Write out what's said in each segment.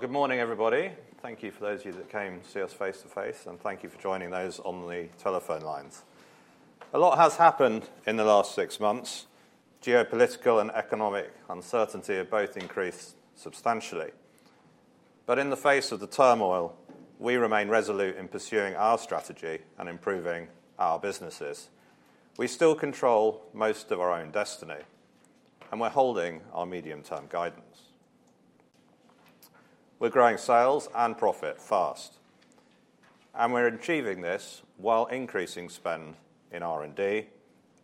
Good morning, everybody. Thank you for those of you that came to see us face-to-face, and thank you for joining those on the telephone lines. A lot has happened in the last six months. Geopolitical and economic uncertainty have both increased substantially. In the face of the turmoil, we remain resolute in pursuing our strategy and improving our businesses. We still control most of our own destiny, and we're holding our medium-term guidance. We're growing sales and profit fast, and we're achieving this while increasing spend in R&D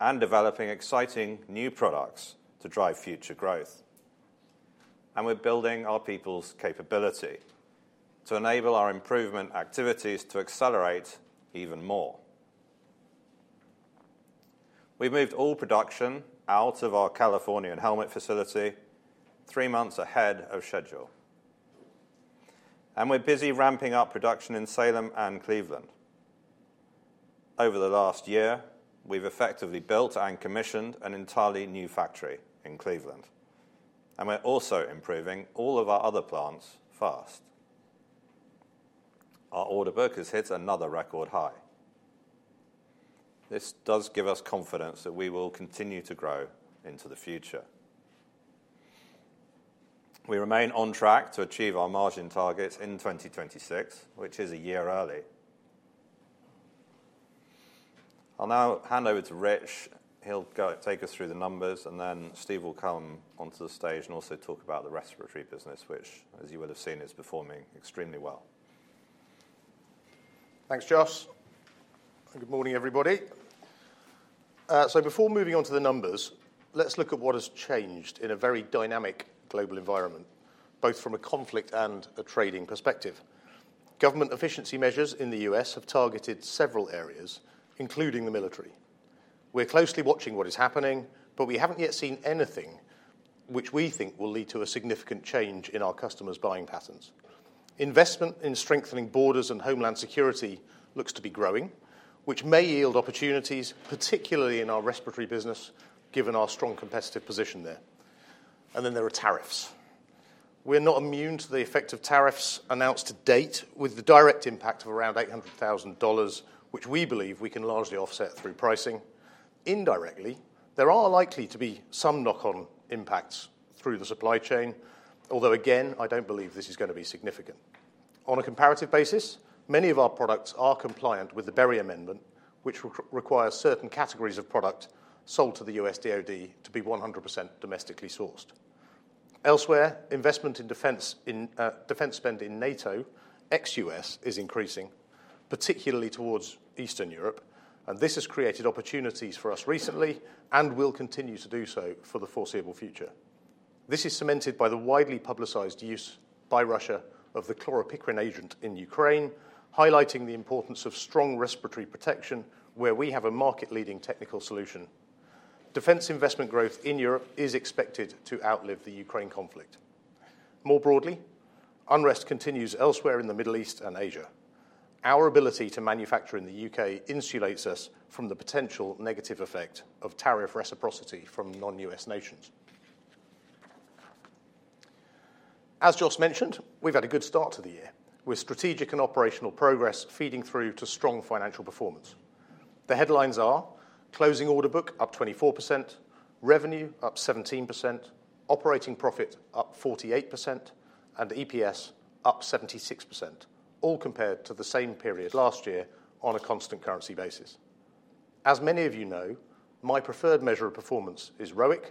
and developing exciting new products to drive future growth. We're building our people's capability to enable our improvement activities to accelerate even more. We've moved all production out of our California and helmet facility three months ahead of schedule. We're busy ramping up production in Salem and Cleveland. Over the last year, we've effectively built and commissioned an entirely new factory in Cleveland. We are also improving all of our other plants fast. Our order book has hit another record high. This does give us confidence that we will continue to grow into the future. We remain on track to achieve our margin targets in 2026, which is a year early. I'll now hand over to Rich. He'll take us through the numbers, and then Steve will come onto the stage and also talk about the respiratory business, which, as you would have seen, is performing extremely well. Thanks, Jos. Good morning, everybody. Before moving on to the numbers, let's look at what has changed in a very dynamic global environment, both from a conflict and a trading perspective. Government efficiency measures in the U.S. have targeted several areas, including the military. We're closely watching what is happening, but we haven't yet seen anything which we think will lead to a significant change in our customers' buying patterns. Investment in strengthening borders and homeland security looks to be growing, which may yield opportunities, particularly in our respiratory business, given our strong competitive position there. There are tariffs. We're not immune to the effect of tariffs announced to date, with the direct impact of around $800,000, which we believe we can largely offset through pricing. Indirectly, there are likely to be some knock-on impacts through the supply chain, although, again, I don't believe this is going to be significant. On a comparative basis, many of our products are compliant with the Berry Amendment, which requires certain categories of product sold to the US DoD to be 100% domestically sourced. Elsewhere, investment in defense spend in NATO ex-US is increasing, particularly towards Eastern Europe. This has created opportunities for us recently and will continue to do so for the foreseeable future. This is cemented by the widely publicized use by Russia of the chloropicrin agent in Ukraine, highlighting the importance of strong respiratory protection where we have a market-leading technical solution. Defense investment growth in Europe is expected to outlive the Ukraine conflict. More broadly, unrest continues elsewhere in the Middle East and Asia. Our ability to manufacture in the U.K. insulates us from the potential negative effect of tariff reciprocity from non-U.S. nations. As Jos mentioned, we've had a good start to the year, with strategic and operational progress feeding through to strong financial performance. The headlines are closing order book up 24%, revenue up 17%, operating profit up 48%, and EPS up 76%, all compared to the same period last year on a constant currency basis. As many of you know, my preferred measure of performance is ROIC,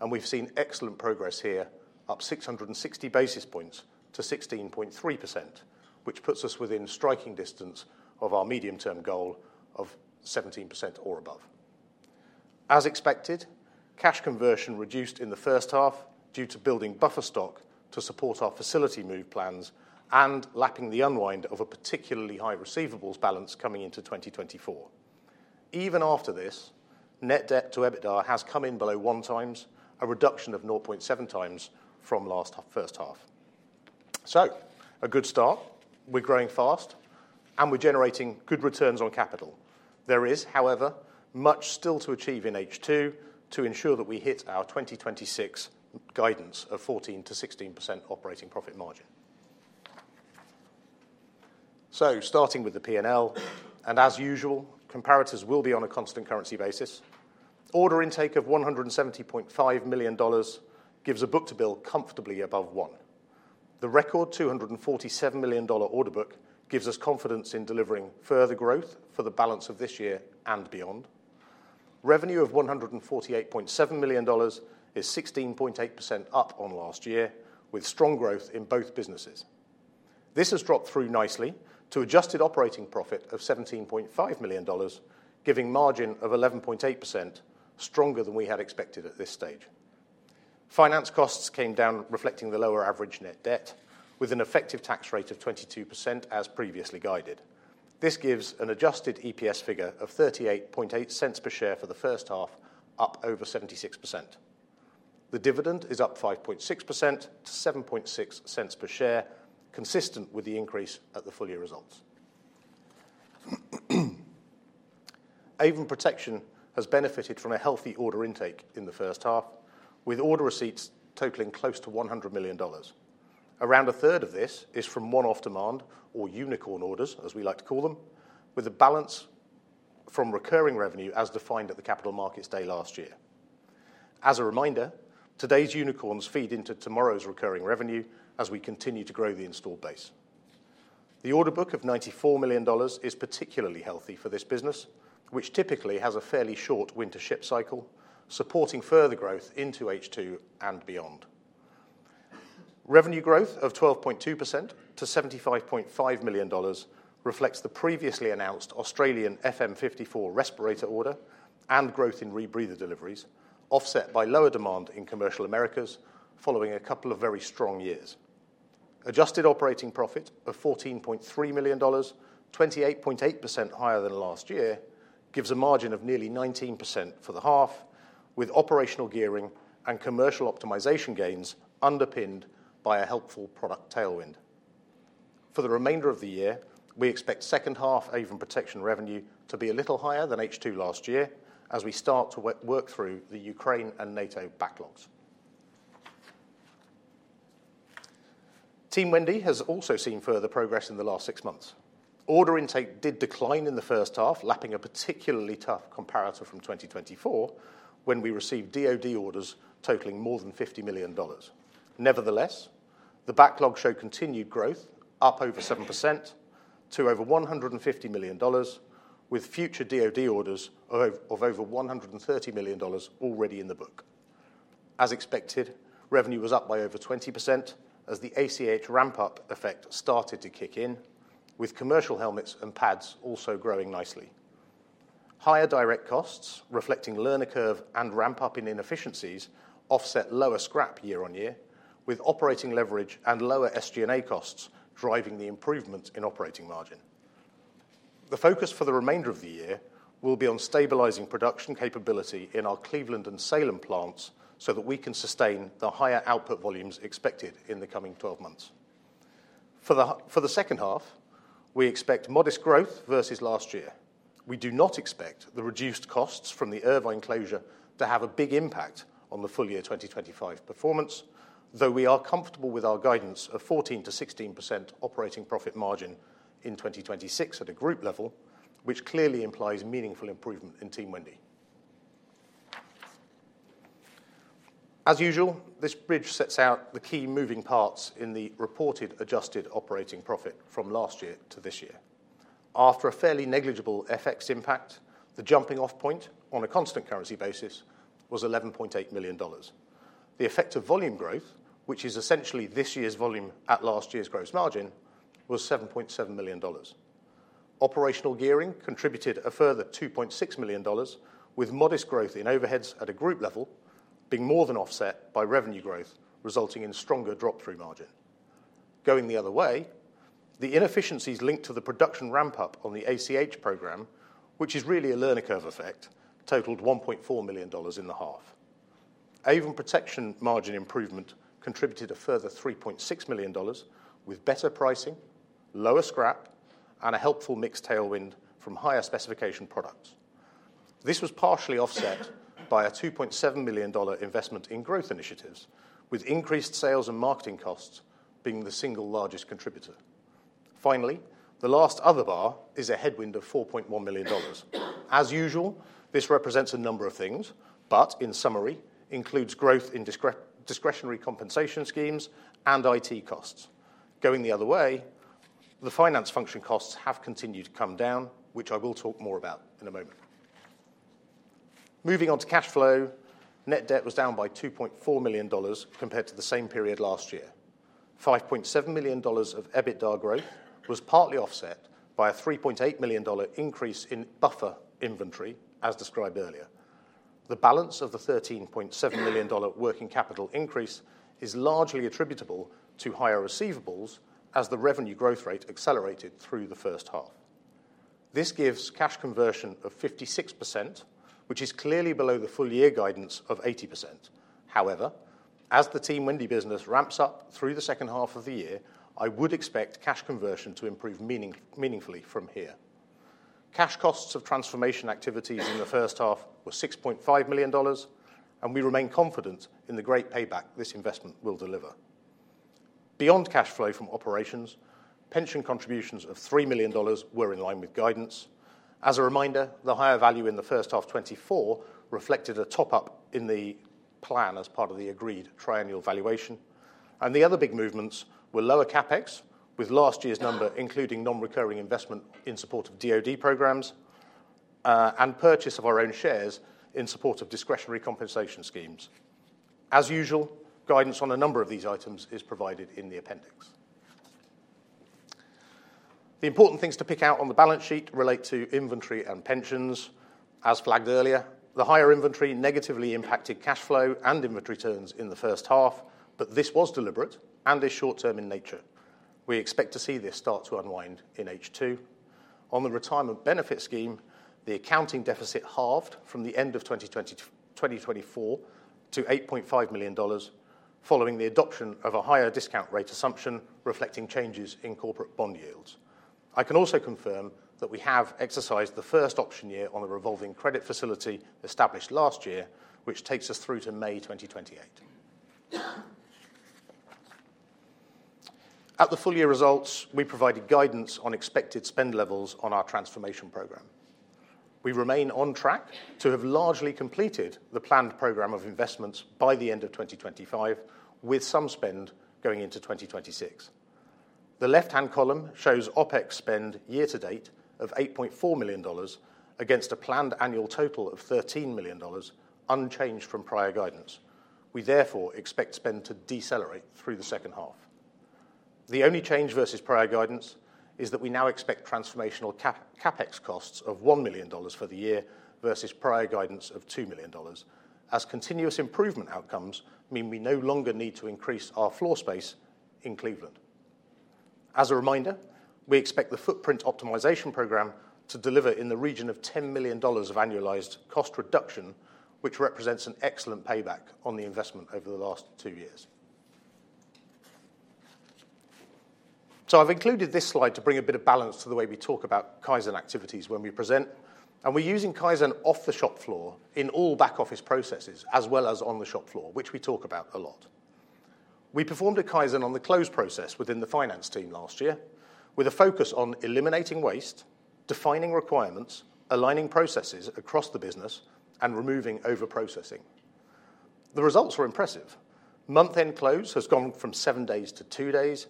and we've seen excellent progress here, up 660 basis points to 16.3%, which puts us within striking distance of our medium-term goal of 17% or above. As expected, cash conversion reduced in the first half due to building buffer stock to support our facility move plans and lapping the unwind of a particularly high receivables balance coming into 2024. Even after this, net debt to EBITDA has come in below one times, a reduction of 0.7 times from last first half. A good start. We're growing fast, and we're generating good returns on capital. There is, however, much still to achieve in H2 to ensure that we hit our 2026 guidance of 14%-16% operating profit margin. Starting with the P&L, and as usual, comparatives will be on a constant currency basis. Order intake of $170.5 million gives a book to bill comfortably above one. The record $247 million order book gives us confidence in delivering further growth for the balance of this year and beyond. Revenue of $148.7 million is 16.8% up on last year, with strong growth in both businesses. This has dropped through nicely to adjusted operating profit of $17.5 million, giving margin of 11.8%, stronger than we had expected at this stage. Finance costs came down, reflecting the lower average net debt, with an effective tax rate of 22% as previously guided. This gives an adjusted EPS figure of $0.388 per share for the first half, up over 76%. The dividend is up 5.6% to $0.076 per share, consistent with the increase at the full year results. Avon Protection has benefited from a healthy order intake in the first half, with order receipts totaling close to $100 million. Around a third of this is from one-off demand or unicorn orders, as we like to call them, with a balance from recurring revenue as defined at the Capital Markets Day last year. As a reminder, today's unicorns feed into tomorrow's recurring revenue as we continue to grow the installed base. The order book of $94 million is particularly healthy for this business, which typically has a fairly short winter ship cycle, supporting further growth into H2 and beyond. Revenue growth of 12.2% to $75.5 million reflects the previously announced Australian FM54 respirator order and growth in rebreather deliveries, offset by lower demand in commercial Americas following a couple of very strong years. Adjusted operating profit of $14.3 million, 28.8% higher than last year, gives a margin of nearly 19% for the half, with operational gearing and commercial optimization gains underpinned by a helpful product tailwind. For the remainder of the year, we expect second half Avon Protection revenue to be a little higher than H2 last year as we start to work through the Ukraine and NATO backlogs. Team Wendy has also seen further progress in the last six months. Order intake did decline in the first half, lapping a particularly tough comparator from 2024 when we received DoD orders totaling more than $50 million. Nevertheless, the backlog showed continued growth, up over 7% to over $150 million, with future DoD orders of over $130 million already in the book. As expected, revenue was up by over 20% as the ACH ramp-up effect started to kick in, with commercial helmets and pads also growing nicely. Higher direct costs, reflecting learner curve and ramp-up in inefficiencies, offset lower scrap year on year, with operating leverage and lower SG&A costs driving the improvement in operating margin. The focus for the remainder of the year will be on stabilizing production capability in our Cleveland and Salem plants so that we can sustain the higher output volumes expected in the coming 12 months. For the second half, we expect modest growth versus last year. We do not expect the reduced costs from the Irvine closure to have a big impact on the full year 2025 performance, though we are comfortable with our guidance of 14%-16% operating profit margin in 2026 at a group level, which clearly implies meaningful improvement in Team Wendy. As usual, this bridge sets out the key moving parts in the reported adjusted operating profit from last year to this year. After a fairly negligible FX impact, the jumping-off point on a constant currency basis was $11.8 million. The effect of volume growth, which is essentially this year's volume at last year's gross margin, was $7.7 million. Operational gearing contributed a further $2.6 million, with modest growth in overheads at a group level being more than offset by revenue growth, resulting in stronger drop-through margin. Going the other way, the inefficiencies linked to the production ramp-up on the ACH program, which is really a learner curve effect, totaled $1.4 million in the half. Avon Protection margin improvement contributed a further $3.6 million, with better pricing, lower scrap, and a helpful mixed tailwind from higher specification products. This was partially offset by a $2.7 million investment in growth initiatives, with increased sales and marketing costs being the single largest contributor. Finally, the last other bar is a headwind of $4.1 million. As usual, this represents a number of things, but in summary, includes growth in discretionary compensation schemes and IT costs. Going the other way, the finance function costs have continued to come down, which I will talk more about in a moment. Moving on to cash flow, net debt was down by $2.4 million compared to the same period last year. $5.7 million of EBITDA growth was partly offset by a $3.8 million increase in buffer inventory, as described earlier. The balance of the $13.7 million working capital increase is largely attributable to higher receivables as the revenue growth rate accelerated through the first half. This gives cash conversion of 56%, which is clearly below the full year guidance of 80%. However, as the Team Wendy business ramps up through the second half of the year, I would expect cash conversion to improve meaningfully from here. Cash costs of transformation activities in the first half were $6.5 million, and we remain confident in the great payback this investment will deliver. Beyond cash flow from operations, pension contributions of $3 million were in line with guidance. As a reminder, the higher value in the first half 2024 reflected a top-up in the plan as part of the agreed triennial valuation. The other big movements were lower CapEx, with last year's number including non-recurring investment in support of DoD programs and purchase of our own shares in support of discretionary compensation schemes. As usual, guidance on a number of these items is provided in the appendix. The important things to pick out on the balance sheet relate to inventory and pensions. As flagged earlier, the higher inventory negatively impacted cash flow and inventory turns in the first half, but this was deliberate and is short-term in nature. We expect to see this start to unwind in H2. On the retirement benefit scheme, the accounting deficit halved from the end of 2024 to $8.5 million following the adoption of a higher discount rate assumption reflecting changes in corporate bond yields. I can also confirm that we have exercised the first option year on a revolving credit facility established last year, which takes us through to May 2028. At the full year results, we provided guidance on expected spend levels on our transformation program. We remain on track to have largely completed the planned program of investments by the end of 2025, with some spend going into 2026. The left-hand column shows OpEx spend year-to-date of $8.4 million against a planned annual total of $13 million unchanged from prior guidance. We therefore expect spend to decelerate through the second half. The only change versus prior guidance is that we now expect transformational CapEx costs of $1 million for the year versus prior guidance of $2 million, as continuous improvement outcomes mean we no longer need to increase our floor space in Cleveland. As a reminder, we expect the footprint optimization program to deliver in the region of $10 million of annualized cost reduction, which represents an excellent payback on the investment over the last two years. I have included this slide to bring a bit of balance to the way we talk about Kaizen activities when we present. We are using Kaizen off the shop floor in all back-office processes as well as on the shop floor, which we talk about a lot. We performed a Kaizen on the close process within the finance team last year with a focus on eliminating waste, defining requirements, aligning processes across the business, and removing overprocessing. The results were impressive. Month-end close has gone from seven days to two days.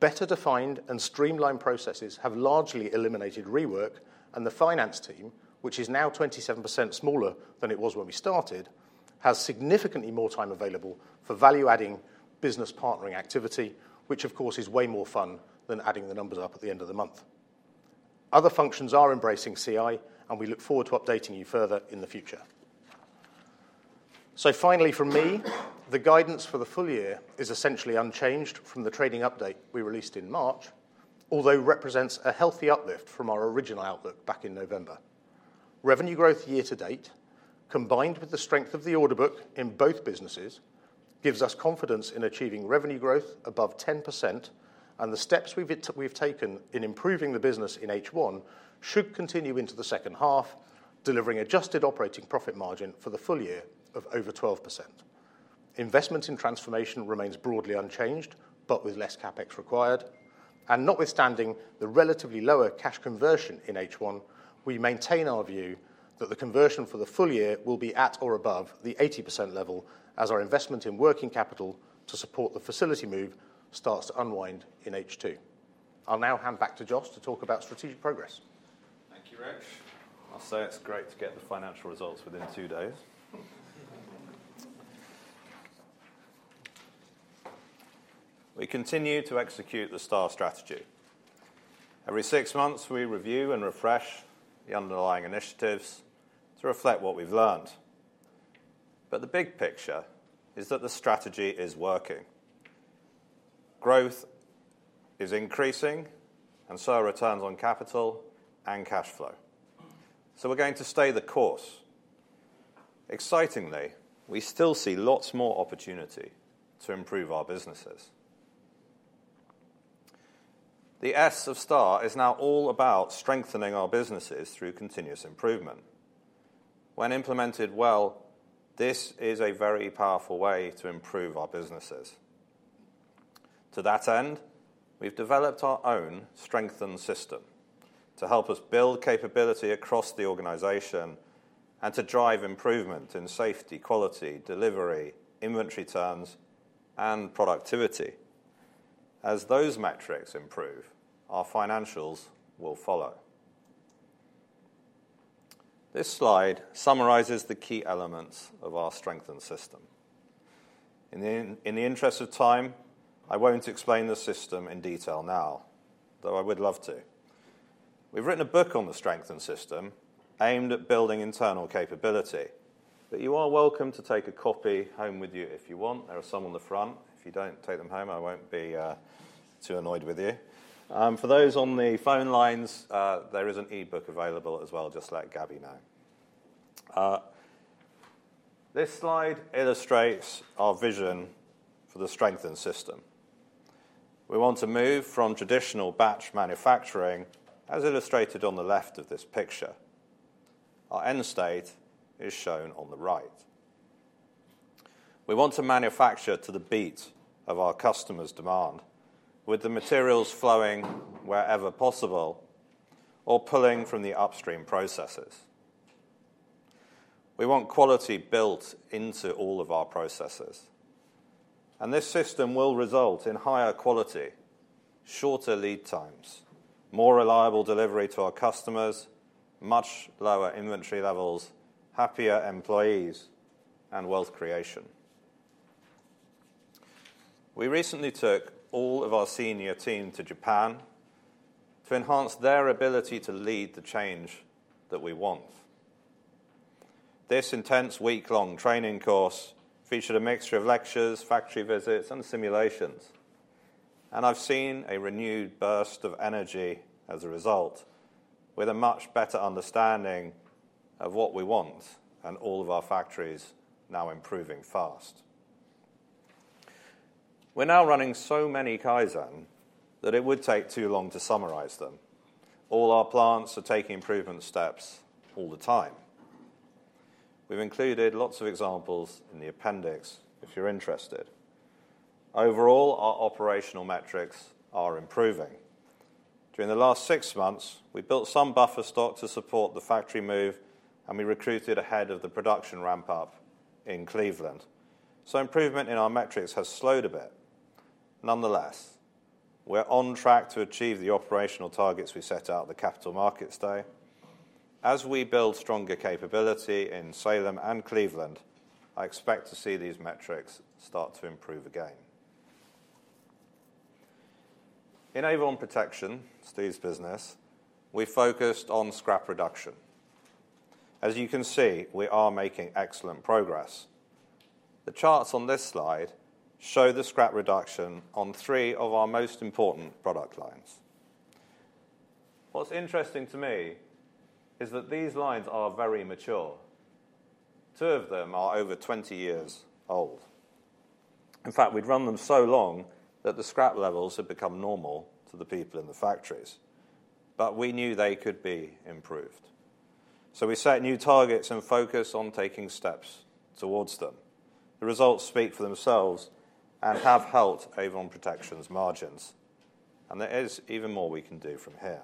Better defined and streamlined processes have largely eliminated rework, and the finance team, which is now 27% smaller than it was when we started, has significantly more time available for value-adding business partnering activity, which, of course, is way more fun than adding the numbers up at the end of the month. Other functions are embracing CI, and we look forward to updating you further in the future. Finally, from me, the guidance for the full year is essentially unchanged from the trading update we released in March, although it represents a healthy uplift from our original outlook back in November. Revenue growth year-to-date, combined with the strength of the order book in both businesses, gives us confidence in achieving revenue growth above 10%, and the steps we have taken in improving the business in H1 should continue into the second half, delivering adjusted operating profit margin for the full year of over 12%. Investment in transformation remains broadly unchanged, but with less CapEx required. Notwithstanding the relatively lower cash conversion in H1, we maintain our view that the conversion for the full year will be at or above the 80% level as our investment in working capital to support the facility move starts to unwind in H2. I will now hand back to Jos to talk about strategic progress. Thank you, Rich. I will say it is great to get the financial results within two days. We continue to execute the STAR strategy. Every six months, we review and refresh the underlying initiatives to reflect what we've learned. The big picture is that the strategy is working. Growth is increasing, and so are returns on capital and cash flow. We're going to stay the course. Excitingly, we still see lots more opportunity to improve our businesses. The S of STAR is now all about strengthening our businesses through continuous improvement. When implemented well, this is a very powerful way to improve our businesses. To that end, we've developed our own strengthened system to help us build capability across the organization and to drive improvement in safety, quality, delivery, inventory turns, and productivity. As those metrics improve, our financials will follow. This slide summarizes the key elements of our strengthened system. In the interest of time, I won't explain the system in detail now, though I would love to. We've written a book on the Strengthened System aimed at building internal capability, but you are welcome to take a copy home with you if you want. There are some on the front. If you don't take them home, I won't be too annoyed with you. For those on the phone lines, there is an e-book available as well, just let Gabby know. This slide illustrates our vision for the Strengthened System. We want to move from traditional batch manufacturing, as illustrated on the left of this picture. Our end state is shown on the right. We want to manufacture to the beat of our customers' demand, with the materials flowing wherever possible or pulling from the upstream processes. We want quality built into all of our processes. This system will result in higher quality, shorter lead times, more reliable delivery to our customers, much lower inventory levels, happier employees, and wealth creation. We recently took all of our senior team to Japan to enhance their ability to lead the change that we want. This intense week-long training course featured a mixture of lectures, factory visits, and simulations. I have seen a renewed burst of energy as a result, with a much better understanding of what we want and all of our factories now improving fast. We are now running so many Kaizen that it would take too long to summarize them. All our plants are taking improvement steps all the time. We have included lots of examples in the appendix if you are interested. Overall, our operational metrics are improving. During the last six months, we built some buffer stock to support the factory move, and we recruited ahead of the production ramp-up in Cleveland. Improvement in our metrics has slowed a bit. Nonetheless, we're on track to achieve the operational targets we set out at the capital markets day. As we build stronger capability in Salem and Cleveland, I expect to see these metrics start to improve again. In Avon Protection, Steve's business, we focused on scrap reduction. As you can see, we are making excellent progress. The charts on this slide show the scrap reduction on three of our most important product lines. What's interesting to me is that these lines are very mature. Two of them are over 20 years old. In fact, we'd run them so long that the scrap levels had become normal to the people in the factories, but we knew they could be improved. We set new targets and focus on taking steps towards them. The results speak for themselves and have helped Avon Protection's margins. There is even more we can do from here.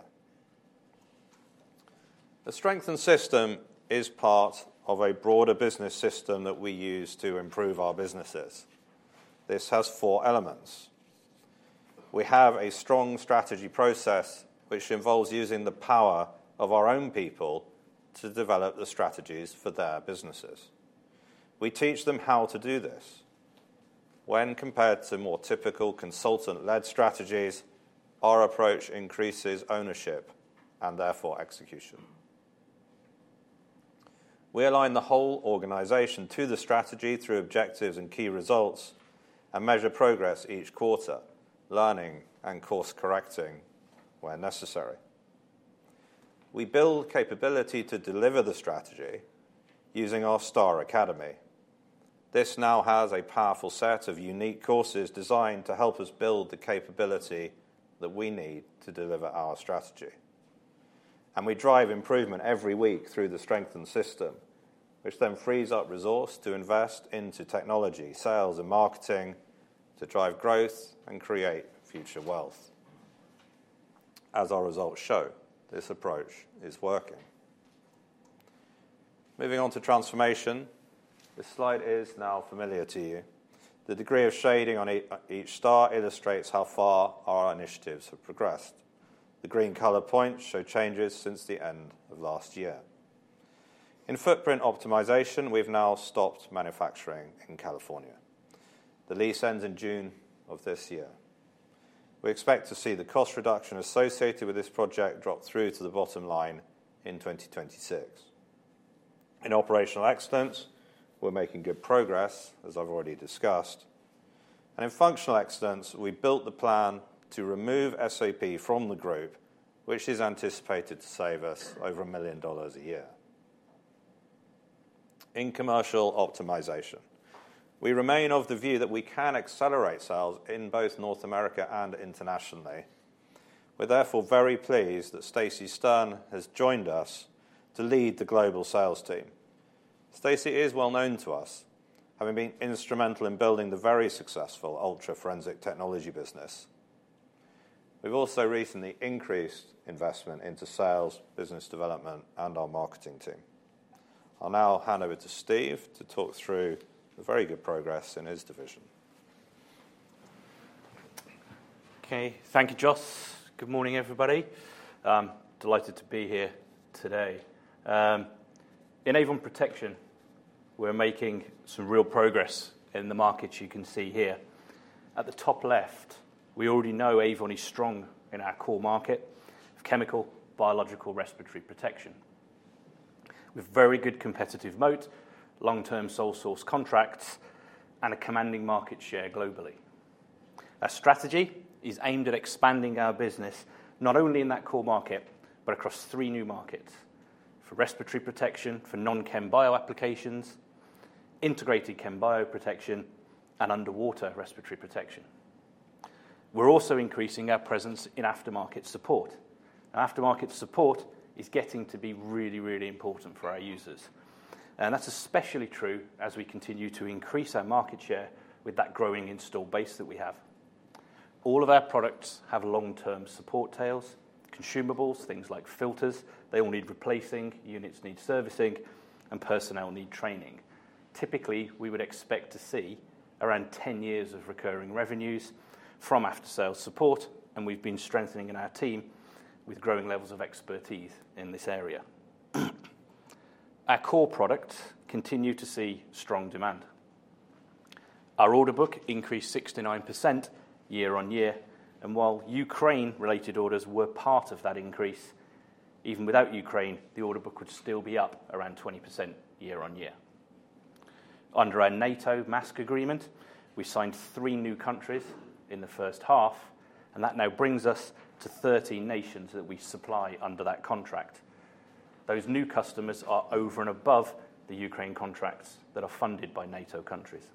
The strengthened system is part of a broader business system that we use to improve our businesses. This has four elements. We have a strong strategy process, which involves using the power of our own people to develop the strategies for their businesses. We teach them how to do this. When compared to more typical consultant-led strategies, our approach increases ownership and therefore execution. We align the whole organization to the strategy through objectives and key results and measure progress each quarter, learning and course correcting where necessary. We build capability to deliver the strategy using our STAR Academy. This now has a powerful set of unique courses designed to help us build the capability that we need to deliver our strategy. We drive improvement every week through the strengthened system, which then frees up resources to invest into technology, sales, and marketing to drive growth and create future wealth. As our results show, this approach is working. Moving on to transformation. This slide is now familiar to you. The degree of shading on each star illustrates how far our initiatives have progressed. The green color points show changes since the end of last year. In footprint optimization, we have now stopped manufacturing in California. The lease ends in June of this year. We expect to see the cost reduction associated with this project drop through to the bottom line in 2026. In operational excellence, we're making good progress, as I've already discussed. In functional excellence, we built the plan to remove SOP from the group, which is anticipated to save us over $1 million a year. In commercial optimization, we remain of the view that we can accelerate sales in both North America and internationally. We're therefore very pleased that Stacy Stern has joined us to lead the global sales team. Stacy is well known to us, having been instrumental in building the very successful Ultra Forensic Technology business. We've also recently increased investment into sales, business development, and our marketing team. I'll now hand over to Steve to talk through the very good progress in his division. Okay. Thank you, Jos. Good morning, everybody. Delighted to be here today. In Avon Protection, we're making some real progress in the markets you can see here. At the top left, we already know Avon is strong in our core market of chemical, biological, respiratory protection. With very good competitive moat, long-term sole source contracts, and a commanding market share globally. Our strategy is aimed at expanding our business not only in that core market, but across three new markets: for respiratory protection, for non-Chem bio applications, integrated Chem bio protection, and underwater respiratory protection. We are also increasing our presence in aftermarket support. Aftermarket support is getting to be really, really important for our users. That is especially true as we continue to increase our market share with that growing install base that we have. All of our products have long-term support tails, consumables, things like filters. They all need replacing, units need servicing, and personnel need training. Typically, we would expect to see around 10 years of recurring revenues from after-sales support, and we've been strengthening in our team with growing levels of expertise in this area. Our core products continue to see strong demand. Our order book increased 69% year on year. While Ukraine-related orders were part of that increase, even without Ukraine, the order book would still be up around 20% year on year. Under our NATO-MASC agreement, we signed three new countries in the first half, and that now brings us to 30 nations that we supply under that contract. Those new customers are over and above the Ukraine contracts that are funded by NATO countries.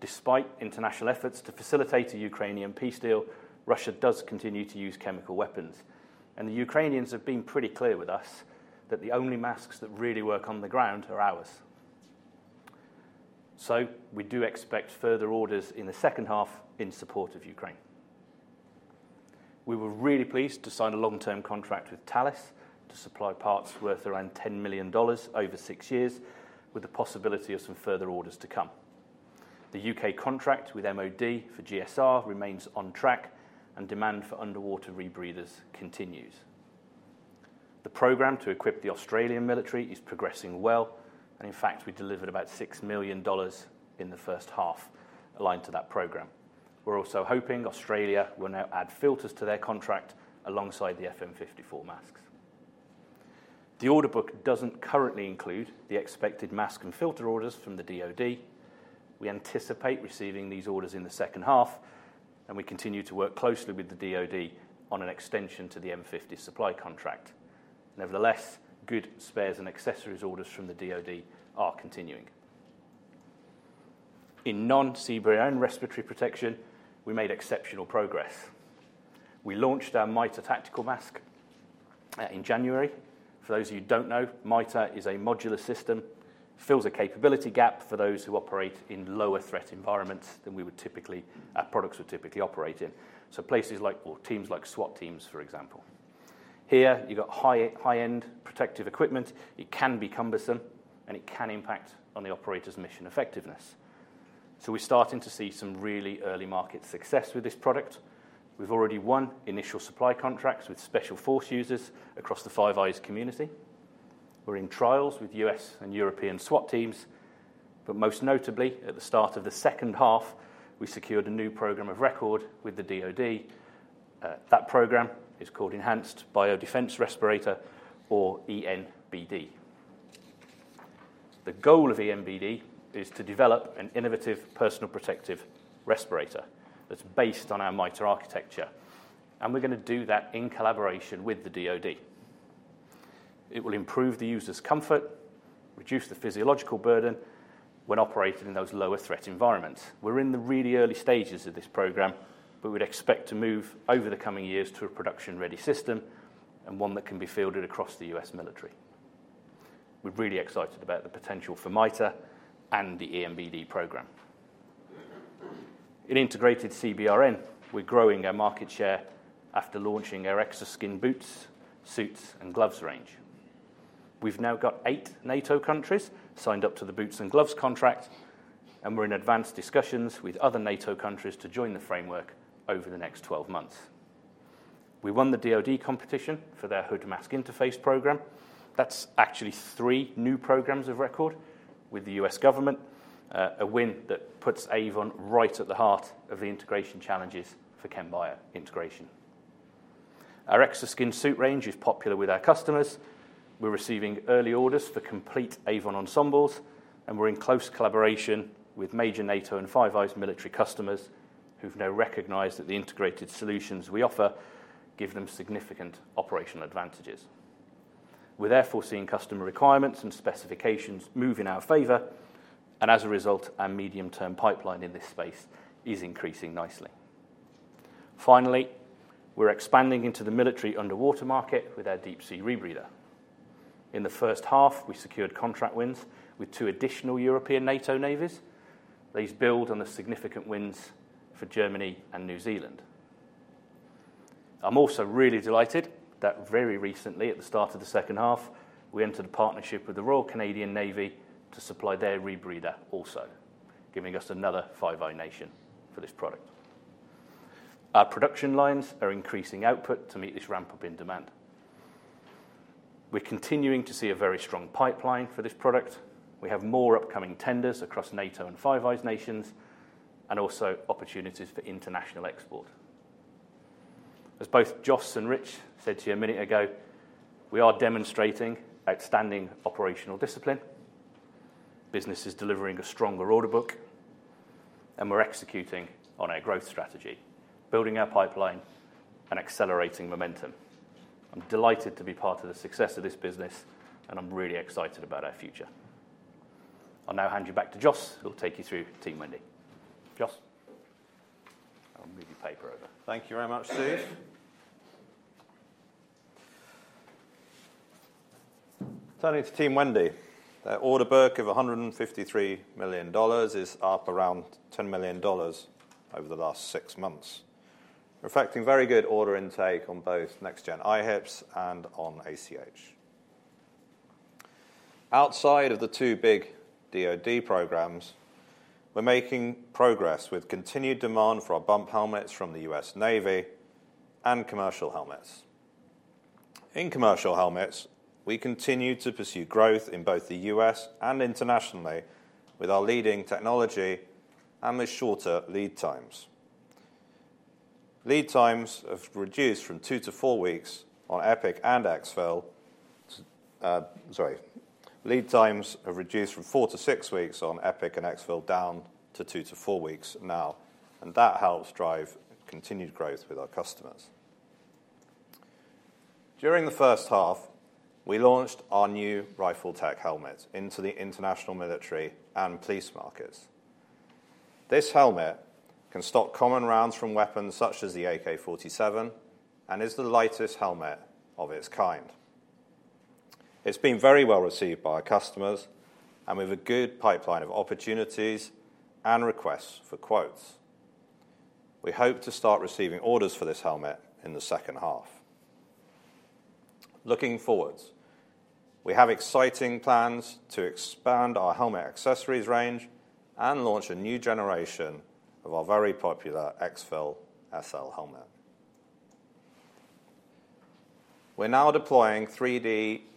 Despite international efforts to facilitate a Ukrainian peace deal, Russia does continue to use chemical weapons. The Ukrainians have been pretty clear with us that the only masks that really work on the ground are ours. We do expect further orders in the second half in support of Ukraine. We were really pleased to sign a long-term contract with Thales to supply parts worth around $10 million over six years, with the possibility of some further orders to come. The U.K. contract with MOD for GSR remains on track, and demand for underwater rebreathers continues. The program to equip the Australian military is progressing well. In fact, we delivered about $6 million in the first half aligned to that program. We are also hoping Australia will now add filters to their contract alongside the FM54 masks. The order book does not currently include the expected mask and filter orders from the DoD. We anticipate receiving these orders in the second half, and we continue to work closely with the DoD on an extension to the M50 supply contract. Nevertheless, good spares and accessories orders from the DoD are continuing. In non-seabury respiratory protection, we made exceptional progress. We launched our MITR tactical mask in January. For those of you who do not know, MITR is a modular system that fills a capability gap for those who operate in lower threat environments than we would typically, our products would typically operate in. Places like or teams like SWAT teams, for example. Here, you have got high-end protective equipment. It can be cumbersome, and it can impact on the operator's mission effectiveness. We are starting to see some really early market success with this product. We have already won initial supply contracts with special force users across the Five Eyes community. We are in trials with US and European SWAT teams. Most notably, at the start of the second half, we secured a new program of record with the DoD. That program is called Enhanced Biodefense Respirator, or ENBD. The goal of ENBD is to develop an innovative personal protective respirator that's based on our MITR architecture. We're going to do that in collaboration with the DoD. It will improve the user's comfort, reduce the physiological burden when operating in those lower threat environments. We're in the really early stages of this program, but we'd expect to move over the coming years to a production-ready system and one that can be fielded across the US military. We're really excited about the potential for MITR and the ENBD program. In integrated CBRN, we're growing our market share after launching our extra skin boots, suits, and gloves range. We've now got eight NATO countries signed up to the boots and gloves contract, and we're in advanced discussions with other NATO countries to join the framework over the next 12 months. We won the DoD competition for their hood mask interface program. That's actually three new programs of record with the US government, a win that puts Avon right at the heart of the integration challenges for chem bio integration. Our extra skin suit range is popular with our customers. We're receiving early orders for complete Avon ensembles, and we're in close collaboration with major NATO and Five Eyes military customers who've now recognized that the integrated solutions we offer give them significant operational advantages. We're therefore seeing customer requirements and specifications move in our favor. As a result, our medium-term pipeline in this space is increasing nicely. Finally, we're expanding into the military underwater market with our deep-sea rebreather. In the first half, we secured contract wins with two additional European NATO navies. These build on the significant wins for Germany and New Zealand. I'm also really delighted that very recently, at the start of the second half, we entered a partnership with the Royal Canadian Navy to supply their rebreather also, giving us another Five Eyes nation for this product. Our production lines are increasing output to meet this ramp-up in demand. We're continuing to see a very strong pipeline for this product. We have more upcoming tenders across NATO and Five Eyes nations, and also opportunities for international export. As both Jos and Rich said to you a minute ago, we are demonstrating outstanding operational discipline, businesses delivering a stronger order book, and we're executing on our growth strategy, building our pipeline and accelerating momentum. I'm delighted to be part of the success of this business, and I'm really excited about our future. I'll now hand you back to Jos, who'll take you through Team Wendy. Jos, I'll move your paper over. Thank you very much, Steve. Turning to Team Wendy, their order book of $153 million is up around $10 million over the last six months, reflecting very good order intake on both Next Gen IHPS and on ACH. Outside of the two big DoD programs, we're making progress with continued demand for our bump helmets from the US Navy and commercial helmets. In commercial helmets, we continue to pursue growth in both the US and internationally with our leading technology and the shorter lead times. Lead times have reduced from four to six weeks on EPIC and EXFIL down to two to four weeks now. That helps drive continued growth with our customers. During the first half, we launched our new EPIC helmets into the international military and police markets. This helmet can stop common rounds from weapons such as the AK-47 and is the lightest helmet of its kind. It's been very well received by our customers and with a good pipeline of opportunities and requests for quotes. We hope to start receiving orders for this helmet in the second half. Looking forwards, we have exciting plans to expand our helmet accessories range and launch a new generation of our very popular EXFIL SL helmet. We're now deploying 3D printed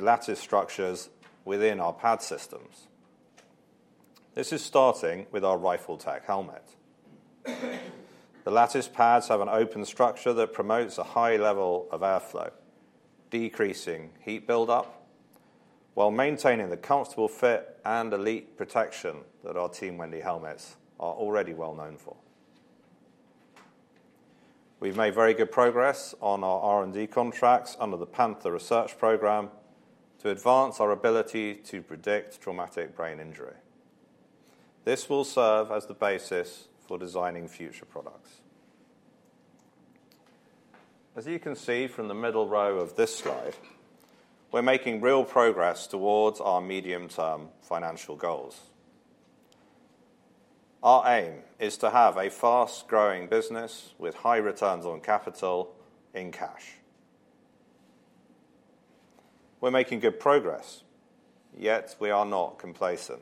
lattice structures within our pad systems. This is starting with our RIFLETECH helmet. The lattice pads have an open structure that promotes a high level of airflow, decreasing heat buildup while maintaining the comfortable fit and elite protection that our Team Wendy helmets are already well known for. We've made very good progress on our R&D contracts under the Panther Research Program to advance our ability to predict traumatic brain injury. This will serve as the basis for designing future products. As you can see from the middle row of this slide, we're making real progress towards our medium-term financial goals. Our aim is to have a fast-growing business with high returns on capital in cash. We're making good progress, yet we are not complacent.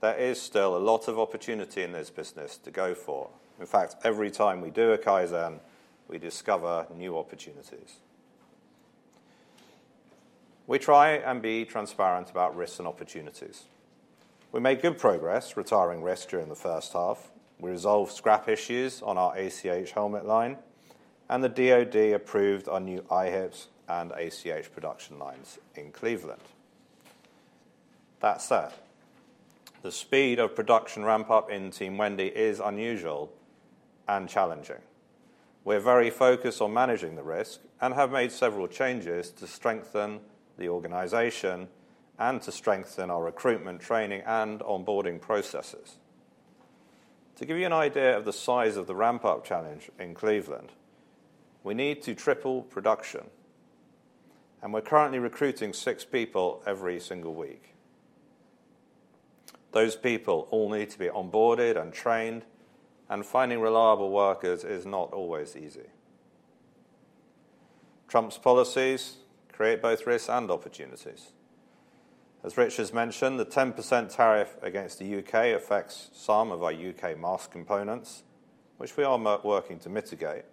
There is still a lot of opportunity in this business to go for. In fact, every time we do a Kaizen, we discover new opportunities. We try and be transparent about risks and opportunities. We made good progress retiring risk during the first half. We resolved scrap issues on our ACH helmet line, and the DoD approved our new eye hits and ACH production lines in Cleveland. That said, the speed of production ramp-up in Team Wendy is unusual and challenging. We're very focused on managing the risk and have made several changes to strengthen the organization and to strengthen our recruitment, training, and onboarding processes. To give you an idea of the size of the ramp-up challenge in Cleveland, we need to triple production, and we're currently recruiting six people every single week. Those people all need to be onboarded and trained, and finding reliable workers is not always easy. Trump's policies create both risks and opportunities. As Rich has mentioned, the 10% tariff against the U.K. affects some of our U.K. mask components, which we are working to mitigate.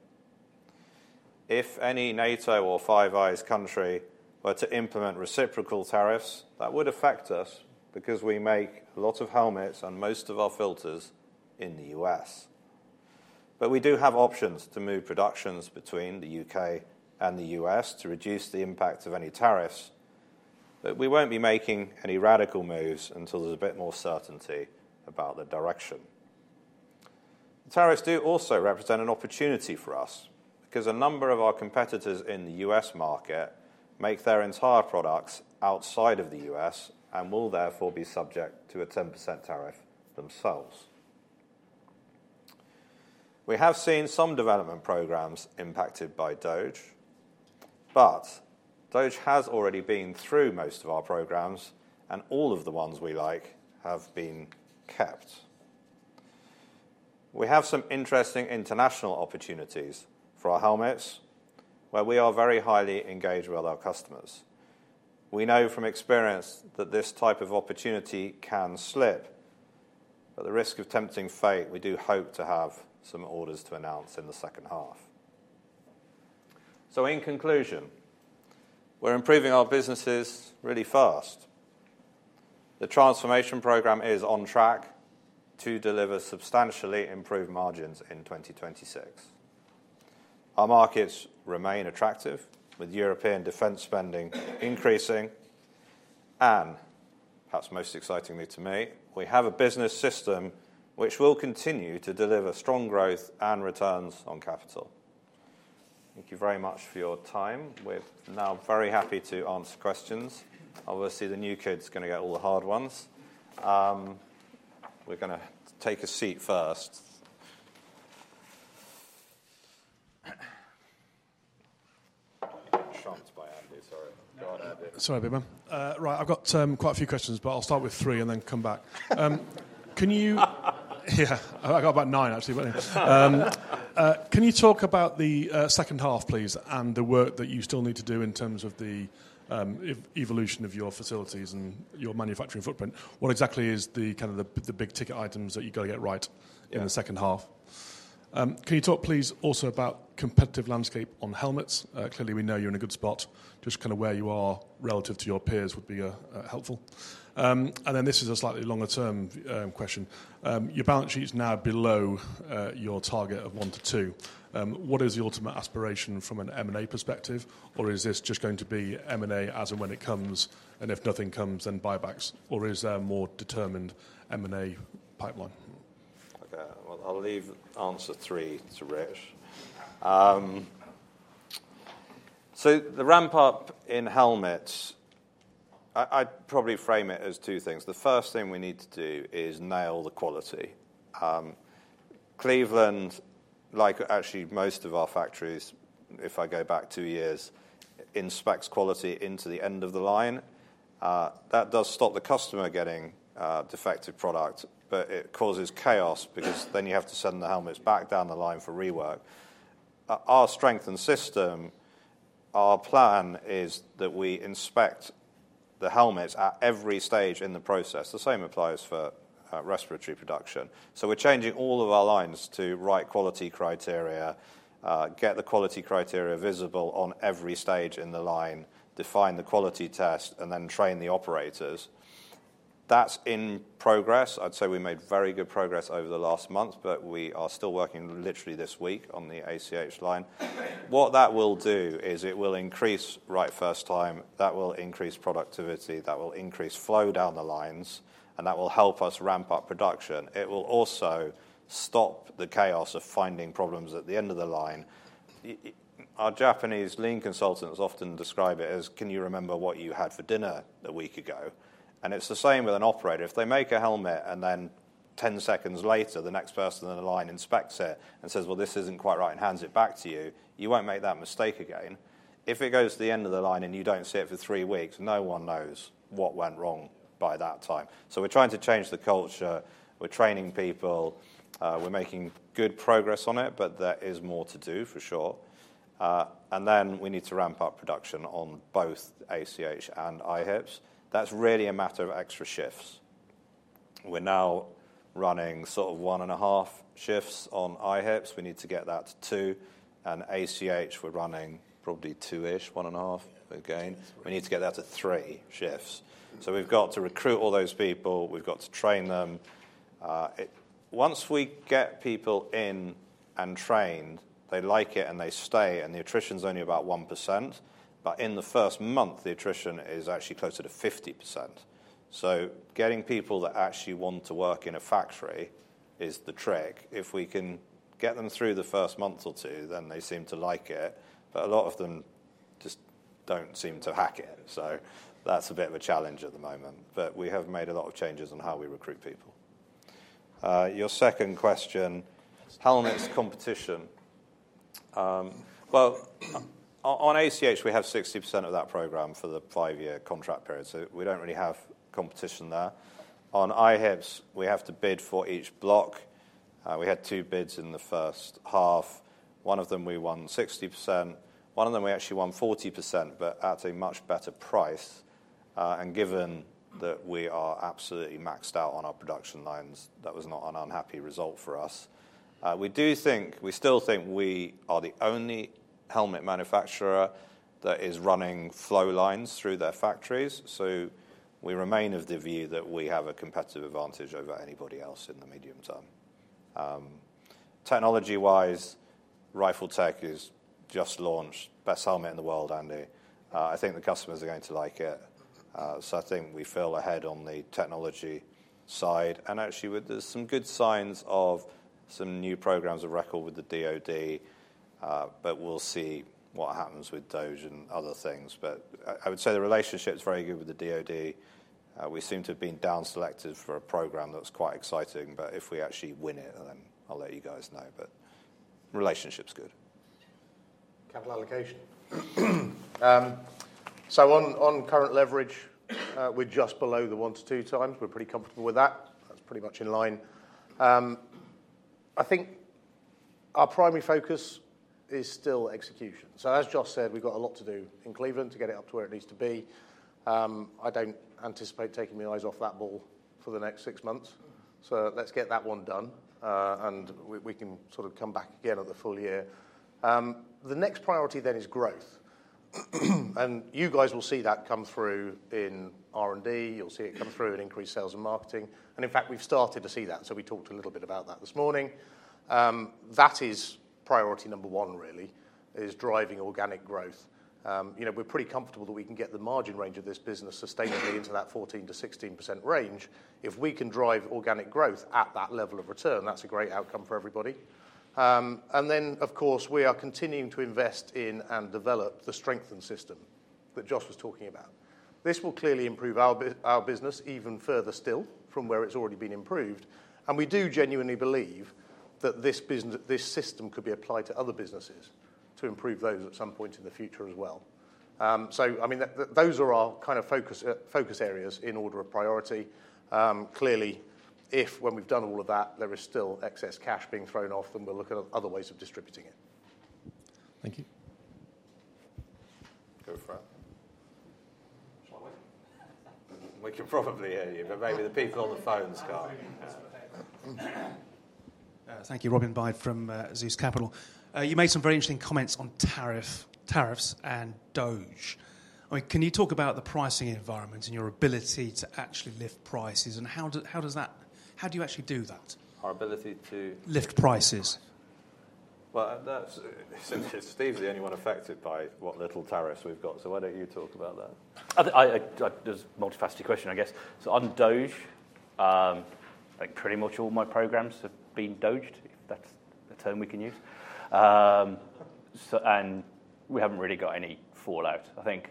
If any NATO or Five Eyes country were to implement reciprocal tariffs, that would affect us because we make a lot of helmets and most of our filters in the U.S. We do have options to move productions between the U.K. and the U.S. to reduce the impact of any tariffs. We will not be making any radical moves until there is a bit more certainty about the direction. Tariffs do also represent an opportunity for us because a number of our competitors in the U.S. market make their entire products outside of the U.S. and will therefore be subject to a 10% tariff themselves. We have seen some development programs impacted by DoD, but DoD has already been through most of our programs, and all of the ones we like have been kept. We have some interesting international opportunities for our helmets where we are very highly engaged with our customers. We know from experience that this type of opportunity can slip, but at the risk of tempting fate, we do hope to have some orders to announce in the second half. In conclusion, we're improving our businesses really fast. The transformation program is on track to deliver substantially improved margins in 2026. Our markets remain attractive with European defense spending increasing. Perhaps most excitingly to me, we have a business system which will continue to deliver strong growth and returns on capital. Thank you very much for your time. We're now very happy to answer questions. Obviously, the new kid's going to get all the hard ones. We're going to take a seat first. Chant by Andy. Sorry. Go on, Andy. Sorry, everyone. Right. I've got quite a few questions, but I'll start with three and then come back. Can you—yeah, I got about nine, actually. Can you talk about the second half, please, and the work that you still need to do in terms of the evolution of your facilities and your manufacturing footprint? What exactly is the kind of the big ticket items that you've got to get right in the second half? Can you talk, please, also about the competitive landscape on helmets? Clearly, we know you're in a good spot. Just kind of where you are relative to your peers would be helpful. This is a slightly longer-term question. Your balance sheet is now below your target of one to two. What is the ultimate aspiration from an M&A perspective, or is this just going to be M&A as and when it comes, and if nothing comes, then buybacks, or is there a more determined M&A pipeline? Okay. I'll leave answer three to Rich. The ramp-up in helmets, I'd probably frame it as two things. The first thing we need to do is nail the quality. Cleveland, like actually most of our factories, if I go back two years, inspects quality into the end of the line. That does stop the customer getting defective product, but it causes chaos because then you have to send the helmets back down the line for rework. Our Strengthened System, our plan is that we inspect the helmets at every stage in the process. The same applies for respiratory production. We are changing all of our lines to write quality criteria, get the quality criteria visible on every stage in the line, define the quality test, and then train the operators. That is in progress. I'd say we made very good progress over the last month, but we are still working literally this week on the ACH line. What that will do is it will increase right first time. That will increase productivity. That will increase flow down the lines, and that will help us ramp up production. It will also stop the chaos of finding problems at the end of the line. Our Japanese lean consultants often describe it as, "Can you remember what you had for dinner a week ago?" It is the same with an operator. If they make a helmet and then 10 seconds later, the next person in the line inspects it and says, "Well, this isn't quite right," and hands it back to you, you won't make that mistake again. If it goes to the end of the line and you don't see it for three weeks, no one knows what went wrong by that time. We are trying to change the culture. We are training people. We're making good progress on it, but there is more to do for sure. We need to ramp up production on both ACH and IHPS. That's really a matter of extra shifts. We're now running sort of one and a half shifts on IHPS. We need to get that to two. And ACH, we're running probably two-ish, one and a half again. We need to get that to three shifts. We have to recruit all those people. We have to train them. Once we get people in and trained, they like it and they stay. The attrition's only about 1%. In the first month, the attrition is actually closer to 50%. Getting people that actually want to work in a factory is the trick. If we can get them through the first month or two, then they seem to like it. A lot of them just don't seem to hack it. That is a bit of a challenge at the moment. We have made a lot of changes in how we recruit people. Your second question, helmets competition. On ACH, we have 60% of that program for the five-year contract period, so we don't really have competition there. On IHPS, we have to bid for each block. We had two bids in the first half. One of them we won 60%. One of them we actually won 40%, but at a much better price. Given that we are absolutely maxed out on our production lines, that was not an unhappy result for us. We still think we are the only helmet manufacturer that is running flow lines through their factories. We remain of the view that we have a competitive advantage over anybody else in the medium term. Technology-wise, RIFLETECH has just launched the best helmet in the world, Andy. I think the customers are going to like it. I think we feel ahead on the technology side. Actually, there's some good signs of some new programs of record with the DoD, but we'll see what happens with DoD and other things. I would say the relationship's very good with the DoD. We seem to have been down-selected for a program that's quite exciting, but if we actually win it, then I'll let you guys know. Relationship's good. Capital allocation. On current leverage, we're just below the one to two times. We're pretty comfortable with that. That's pretty much in line. I think our primary focus is still execution. As Jos said, we've got a lot to do in Cleveland to get it up to where it needs to be. I don't anticipate taking my eyes off that ball for the next six months. Let's get that one done, and we can sort of come back again at the full year. The next priority then is growth. You guys will see that come through in R&D. You'll see it come through in increased sales and marketing. In fact, we've started to see that. We talked a little bit about that this morning. That is priority number one, really, is driving organic growth. We're pretty comfortable that we can get the margin range of this business sustainably into that 14-16% range. If we can drive organic growth at that level of return, that's a great outcome for everybody. Of course, we are continuing to invest in and develop the Strengthened System that Jos was talking about. This will clearly improve our business even further still from where it has already been improved. We do genuinely believe that this system could be applied to other businesses to improve those at some point in the future as well. I mean, those are our kind of focus areas in order of priority. Clearly, if when we have done all of that, there is still excess cash being thrown off, then we will look at other ways of distributing it. Thank you. Go for it. We can probably hear you, but maybe the people on the phones cannot. Thank you, Robin Byde from Zeus Capital. You made some very interesting comments on tariffs and DoD. Can you talk about the pricing environment and your ability to actually lift prices? How do you actually do that? Our ability to lift prices. Steve's the only one affected by what little tariffs we've got. Why don't you talk about that? There's a multifaceted question, I guess. On DoD, I think pretty much all my programs have been DoDed, if that's a term we can use. We haven't really got any fallout. I think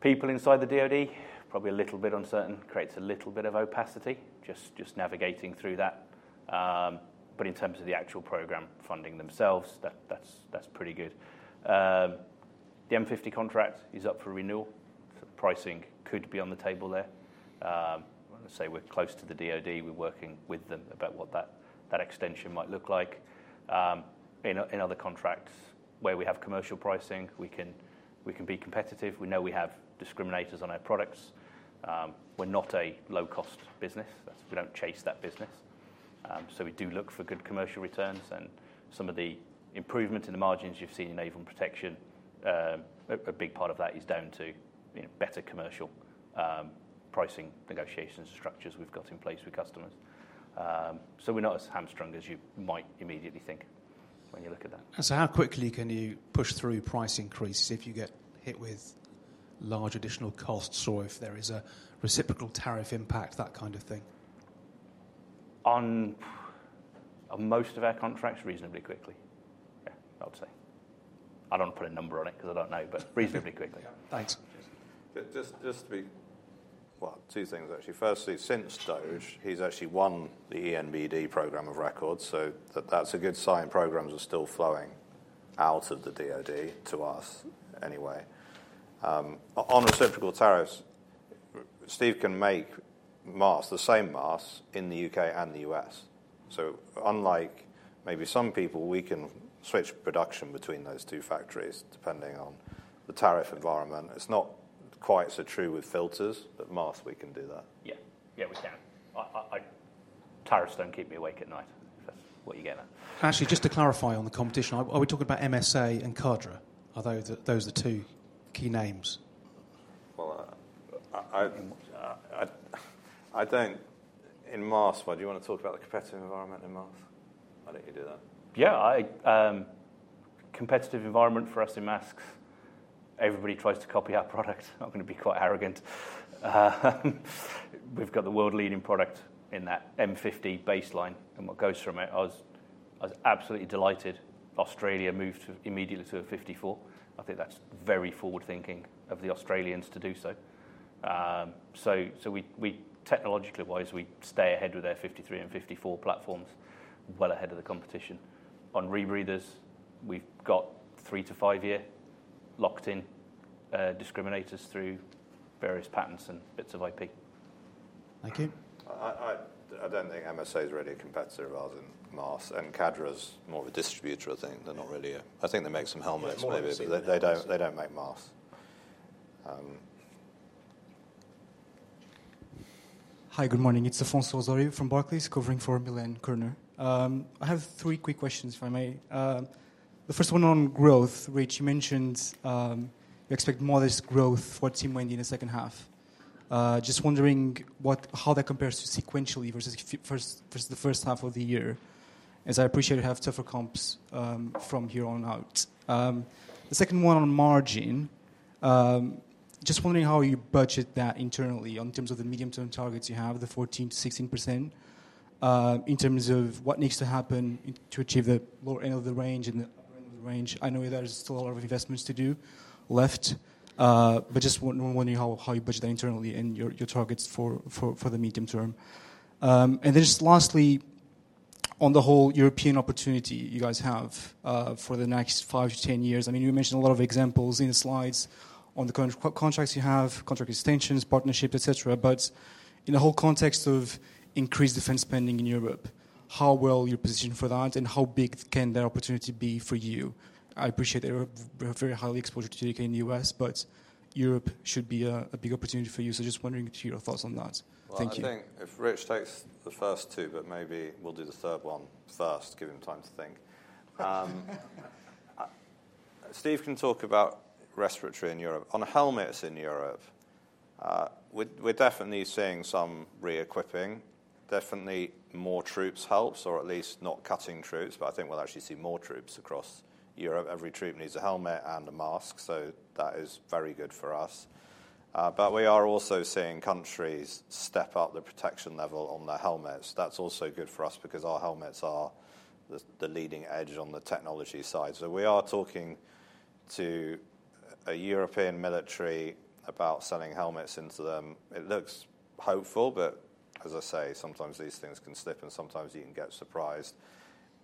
people inside the DoD, probably a little bit uncertain, creates a little bit of opacity just navigating through that. In terms of the actual program funding themselves, that's pretty good. The M50 contract is up for renewal. Pricing could be on the table there. I'm going to say we're close to the DoD. We're working with them about what that extension might look like. In other contracts where we have commercial pricing, we can be competitive. We know we have discriminators on our products. We're not a low-cost business. We don't chase that business. We do look for good commercial returns. Some of the improvements in the margins you've seen in Avon Protection, a big part of that is down to better commercial pricing negotiations and structures we've got in place with customers. We're not as hamstrung as you might immediately think when you look at that. How quickly can you push through price increases if you get hit with large additional costs or if there is a reciprocal tariff impact, that kind of thing? On most of our contracts, reasonably quickly. Yeah, I'd say. I don't want to put a number on it because I don't know, but reasonably quickly. Thanks. Just to be, well, two things, actually. Firstly, since DoD, he's actually won the ENBD program of record. That's a good sign. Programs are still flowing out of the DoD to us anyway. On reciprocal tariffs, Steve can make the same masks in the U.K. and the U.S. So unlike maybe some people, we can switch production between those two factories depending on the tariff environment. It's not quite so true with filters, but masks, we can do that. Yeah. Yeah, we can. Tariffs don't keep me awake at night, if that's what you're getting at. Actually, just to clarify on the competition, are we talking about MSA and Cadre? Are those the two key names? I don't in masks, but do you want to talk about the competitive environment in masks? Why don't you do that? Yeah. Competitive environment for us in masks. Everybody tries to copy our product. I'm going to be quite arrogant. We've got the world-leading product in that M50 baseline and what goes from it. I was absolutely delighted Australia moved immediately to a 54. I think that's very forward-thinking of the Australians to do so. Technologically-wise, we stay ahead with our 53 and 54 platforms, well ahead of the competition. On rebreathers, we've got three- to five-year locked-in discriminators through various patents and bits of IP. Thank you. I don't think MSA is really a competitor rather than mass. Cadra's more of a distributor, I think. They're not really a—I think they make some helmets, maybe, but they don't make mask. Hi, good morning. It's Afonso Osório from Barclays covering for Milan Kerner. I have three quick questions, if I may. The first one on growth, Rich, you mentioned you expect modest growth for Team Wendy in the second half. Just wondering how that compares to sequentially versus the first half of the year, as I appreciate you have tougher comps from here on out. The second one on margin, just wondering how you budget that internally in terms of the medium-term targets you have, the 14-16%, in terms of what needs to happen to achieve the lower end of the range and the upper end of the range. I know there's still a lot of investments to do left, but just wondering how you budget that internally and your targets for the medium term. Lastly, on the whole European opportunity you guys have for the next five to ten years. I mean, you mentioned a lot of examples in the slides on the current contracts you have, contract extensions, partnerships, etc. In the whole context of increased defense spending in Europe, how well you're positioned for that and how big can that opportunity be for you? I appreciate that you have very high exposure to the U.K. and the U.S., but Europe should be a big opportunity for you. Just wondering what your thoughts on that. Thank you. I think if Rich takes the first two, but maybe we'll do the third one first, give him time to think. Steve can talk about respiratory in Europe. On helmets in Europe, we're definitely seeing some re-equipping. Definitely more troops helps, or at least not cutting troops, but I think we'll actually see more troops across Europe. Every troop needs a helmet and a mask, so that is very good for us. We are also seeing countries step up the protection level on their helmets. That's also good for us because our helmets are the leading edge on the technology side. We are talking to a European military about selling helmets into them. It looks hopeful, but as I say, sometimes these things can slip and sometimes you can get surprised.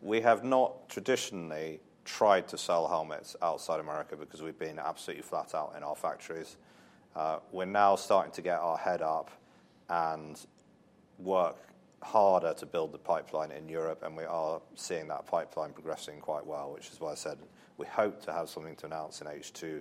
We have not traditionally tried to sell helmets outside America because we've been absolutely flat out in our factories. We're now starting to get our head up and work harder to build the pipeline in Europe, and we are seeing that pipeline progressing quite well, which is why I said we hope to have something to announce in H2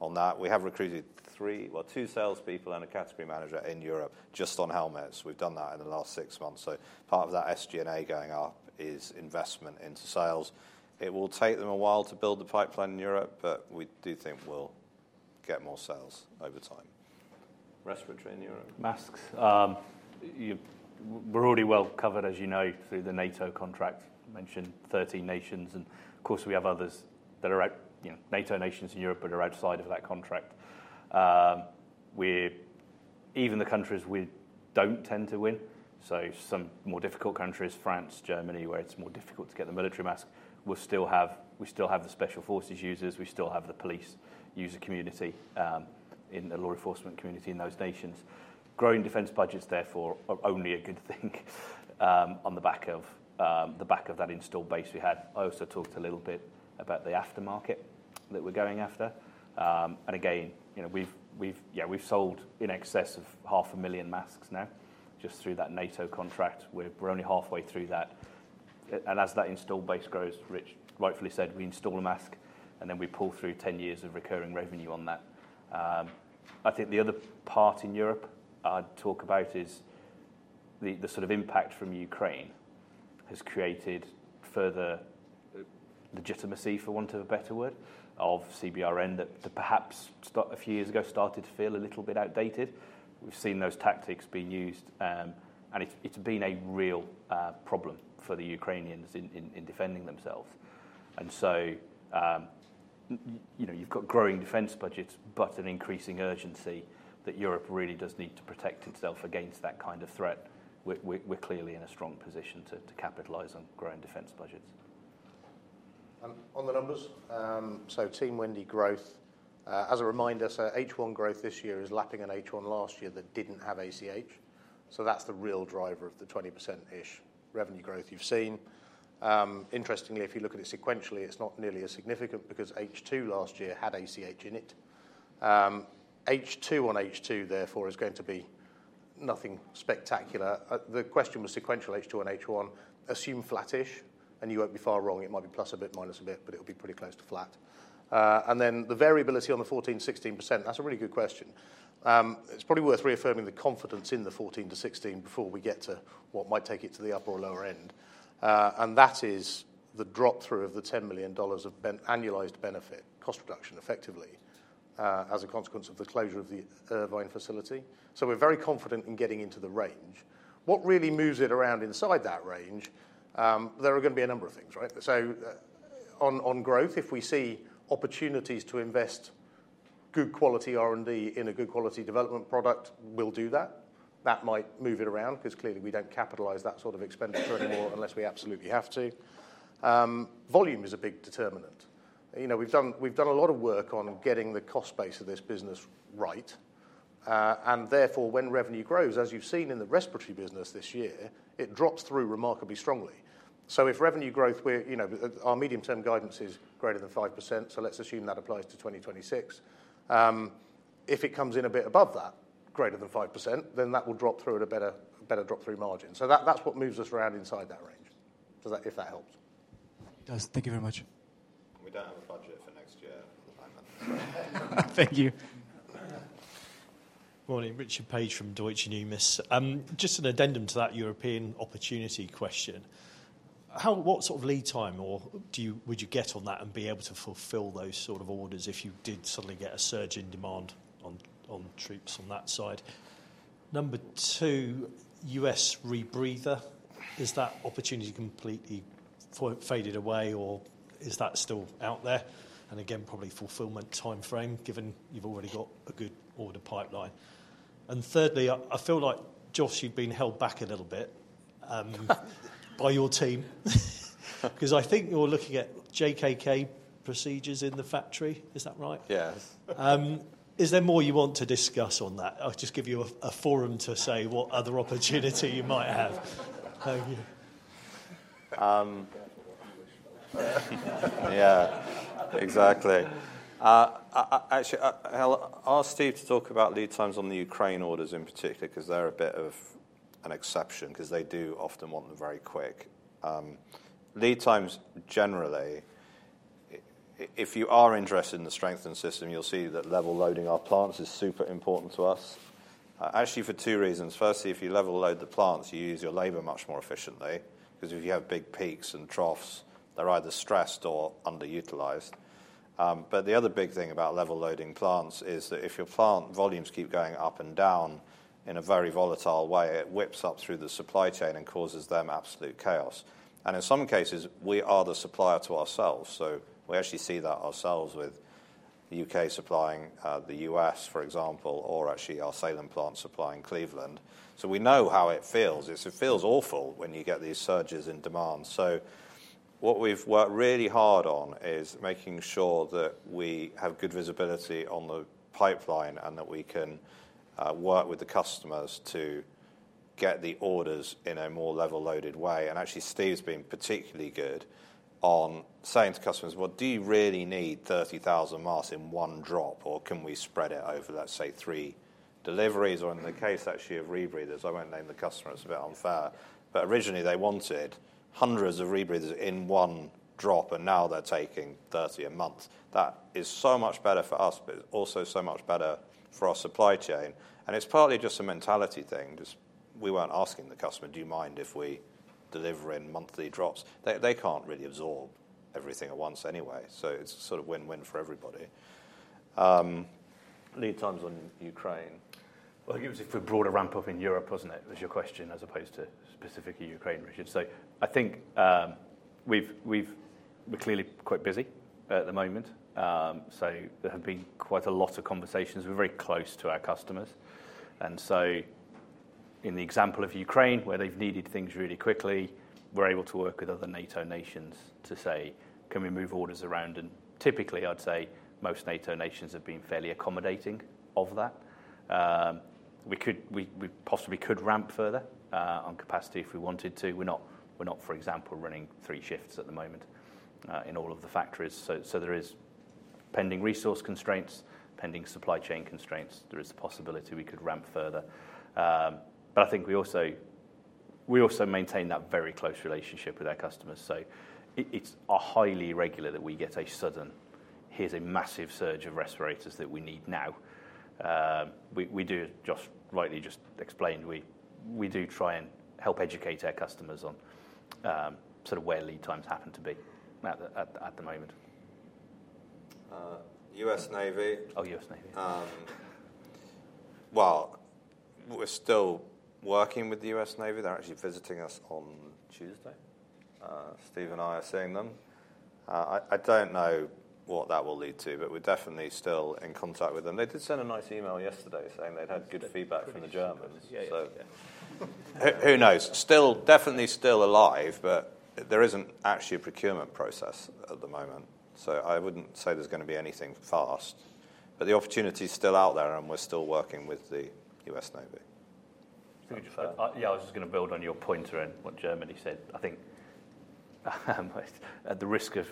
on that. We have recruited three, well, two salespeople and a category manager in Europe just on helmets. We've done that in the last six months. Part of that SG&A going up is investment into sales. It will take them a while to build the pipeline in Europe, but we do think we'll get more sales over time. Respiratory in Europe. Masks. We're already well covered, as you know, through the NATO contract. Mentioned 13 nations. Of course, we have others that are NATO nations in Europe but are outside of that contract. Even the countries we don't tend to win, so some more difficult countries, France, Germany, where it's more difficult to get the military mask, we still have the special forces users. We still have the police user community in the law enforcement community in those nations. Growing defense budgets, therefore, are only a good thing on the back of that installed base we had. I also talked a little bit about the aftermarket that we're going after. Yeah, we've sold in excess of 500,000 masks now just through that NATO contract. We're only halfway through that. As that installed base grows, Rich rightfully said, we install a mask and then we pull through 10 years of recurring revenue on that. I think the other part in Europe I'd talk about is the sort of impact from Ukraine has created further legitimacy, for want of a better word, of CBRN that perhaps a few years ago started to feel a little bit outdated. We've seen those tactics being used, and it's been a real problem for the Ukrainians in defending themselves. You've got growing defense budgets, but an increasing urgency that Europe really does need to protect itself against that kind of threat. We're clearly in a strong position to capitalize on growing defense budgets. On the numbers, team Wendy growth. As a reminder, H1 growth this year is lapping an H1 last year that did not have ACH. That is the real driver of the 20%-ish revenue growth you have seen. Interestingly, if you look at it sequentially, it is not nearly as significant because H2 last year had ACH in it. H2 on H2, therefore, is going to be nothing spectacular. The question was sequential H2 on H1. Assume flat-ish, and you will not be far wrong. It might be plus a bit, minus a bit, but it will be pretty close to flat. The variability on the 14-16%, that is a really good question. It is probably worth reaffirming the confidence in the 14-16% before we get to what might take it to the upper or lower end. That is the drop-through of the $10 million of annualized benefit cost reduction effectively as a consequence of the closure of the Irvine facility. We are very confident in getting into the range. What really moves it around inside that range, there are going to be a number of things, right? On growth, if we see opportunities to invest good quality R&D in a good quality development product, we will do that. That might move it around because clearly we do not capitalize that sort of expenditure anymore unless we absolutely have to. Volume is a big determinant. We have done a lot of work on getting the cost base of this business right. Therefore, when revenue grows, as you have seen in the respiratory business this year, it drops through remarkably strongly. If revenue growth, our medium-term guidance is greater than 5%, so let's assume that applies to 2026. If it comes in a bit above that, greater than 5%, then that will drop through at a better drop-through margin. That is what moves us around inside that range, if that helps. Does. Thank you very much. We do not have a budget for next year. Thank you. Morning. Richard Paige from Deutsche Numis. Just an addendum to that European opportunity question. What sort of lead time would you get on that and be able to fulfill those sort of orders if you did suddenly get a surge in demand on troops on that side? Number two, US rebreather. Is that opportunity completely faded away, or is that still out there? Again, probably fulfillment timeframe, given you have already got a good order pipeline. Thirdly, I feel like, Jos, you've been held back a little bit by your team because I think you're looking at JKK procedures in the factory. Is that right? Yes. Is there more you want to discuss on that? I'll just give you a forum to say what other opportunity you might have. Thank you. Yeah, exactly. Actually, I'll ask Steve to talk about lead times on the Ukraine orders in particular because they're a bit of an exception because they do often want them very quick. Lead times generally, if you are interested in the strengthened system, you'll see that level loading our plants is super important to us. Actually, for two reasons. Firstly, if you level load the plants, you use your labor much more efficiently because if you have big peaks and troughs, they're either stressed or underutilized. The other big thing about level loading plants is that if your plant volumes keep going up and down in a very volatile way, it whips up through the supply chain and causes them absolute chaos. In some cases, we are the supplier to ourselves. We actually see that ourselves with the U.K. supplying the U.S., for example, or actually our Salem plant supplying Cleveland. We know how it feels. It feels awful when you get these surges in demand. What we have worked really hard on is making sure that we have good visibility on the pipeline and that we can work with the customers to get the orders in a more level loaded way. Actually, Steve's been particularly good on saying to customers, "Well, do you really need 30,000 masks in one drop, or can we spread it over, let's say, three deliveries?" In the case, actually, of rebreathers, I won't name the customer. It's a bit unfair. Originally, they wanted hundreds of rebreathers in one drop, and now they're taking 30 a month. That is so much better for us, but it's also so much better for our supply chain. It's partly just a mentality thing. We weren't asking the customer, "Do you mind if we deliver in monthly drops?" They can't really absorb everything at once anyway, so it's sort of win-win for everybody. Lead times on Ukraine. If we brought a ramp up in Europe, wasn't it? It was your question as opposed to specifically Ukraine, Richard. I think we're clearly quite busy at the moment. There have been quite a lot of conversations. We're very close to our customers. In the example of Ukraine, where they've needed things really quickly, we're able to work with other NATO nations to say, "Can we move orders around?" Typically, I'd say most NATO nations have been fairly accommodating of that. We possibly could ramp further on capacity if we wanted to. We're not, for example, running three shifts at the moment in all of the factories. There are pending resource constraints, pending supply chain constraints. There is the possibility we could ramp further. I think we also maintain that very close relationship with our customers. It's highly regular that we get a sudden, "Here's a massive surge of respirators that we need now." We do just rightly just explained. We do try and help educate our customers on sort of where lead times happen to be at the moment. U.S. Navy. Oh, U.S. Navy. We are still working with the U.S. Navy. They are actually visiting us on Tuesday. Steve and I are seeing them. I do not know what that will lead to, but we are definitely still in contact with them. They did send a nice email yesterday saying they had good feedback from the Germans. Who knows? Definitely still alive, but there is not actually a procurement process at the moment. I would not say there is going to be anything fast, but the opportunity is still out there, and we are still working with the U.S. Navy. Yeah, I was just going to build on your pointer and what Germany said. I think at the risk of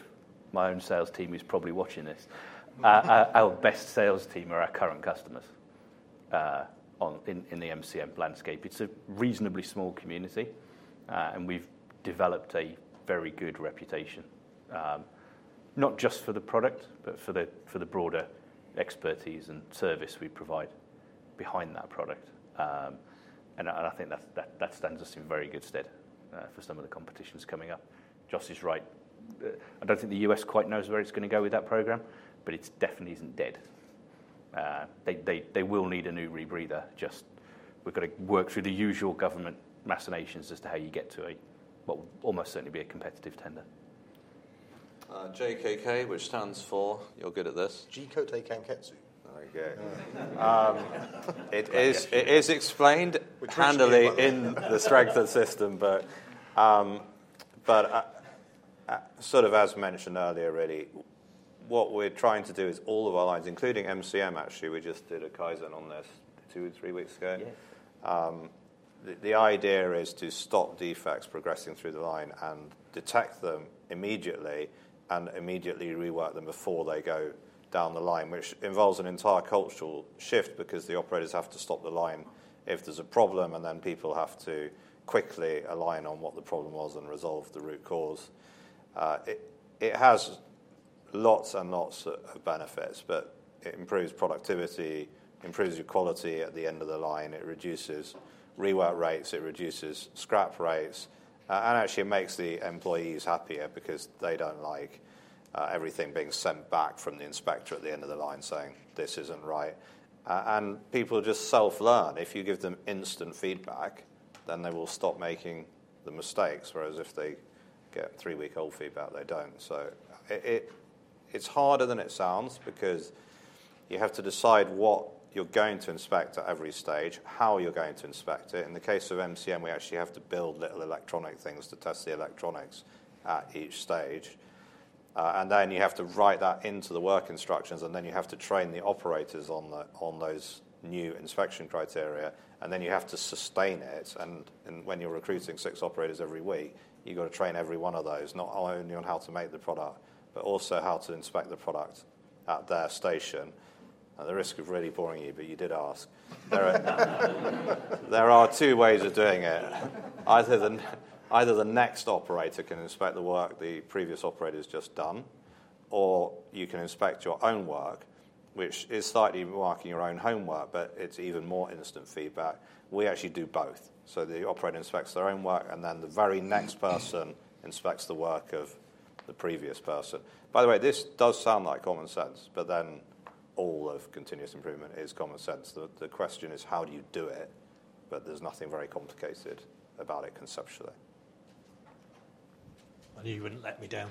my own sales team who's probably watching this, our best sales team are our current customers in the MCM landscape. It's a reasonably small community, and we've developed a very good reputation, not just for the product, but for the broader expertise and service we provide behind that product. I think that stands us in very good stead for some of the competitions coming up. Jos is right. I don't think the U.S. quite knows where it's going to go with that program, but it definitely isn't dead. They will need a new rebreather. Just we've got to work through the usual government machinations as to how you get to a, what will almost certainly be a competitive tender. JKK, which stands for, you're good at this. Ji Koutei Kanketsu. Okay. It is explained handily in the Strengthened System, but sort of as mentioned earlier, really, what we're trying to do is all of our lines, including MCM, actually, we just did a Kaizen on this two or three weeks ago. The idea is to stop defects progressing through the line and detect them immediately and immediately rework them before they go down the line, which involves an entire cultural shift because the operators have to stop the line if there's a problem, and then people have to quickly align on what the problem was and resolve the root cause. It has lots and lots of benefits, but it improves productivity, improves your quality at the end of the line. It reduces rework rates. It reduces scrap rates. It actually makes the employees happier because they do not like everything being sent back from the inspector at the end of the line saying, "This is not right." People just self-learn. If you give them instant feedback, then they will stop making the mistakes, whereas if they get three-week-old feedback, they do not. It is harder than it sounds because you have to decide what you are going to inspect at every stage, how you are going to inspect it. In the case of MCM, we actually have to build little electronic things to test the electronics at each stage. You have to write that into the work instructions, and then you have to train the operators on those new inspection criteria, and then you have to sustain it. When you're recruiting six operators every week, you've got to train every one of those, not only on how to make the product, but also how to inspect the product at their station. At the risk of really boring you, but you did ask. There are two ways of doing it. Either the next operator can inspect the work the previous operator has just done, or you can inspect your own work, which is slightly remarking your own homework, but it's even more instant feedback. We actually do both. The operator inspects their own work, and then the very next person inspects the work of the previous person. By the way, this does sound like common sense, but then all of continuous improvement is common sense. The question is, how do you do it? There's nothing very complicated about it conceptually. I knew you wouldn't let me down.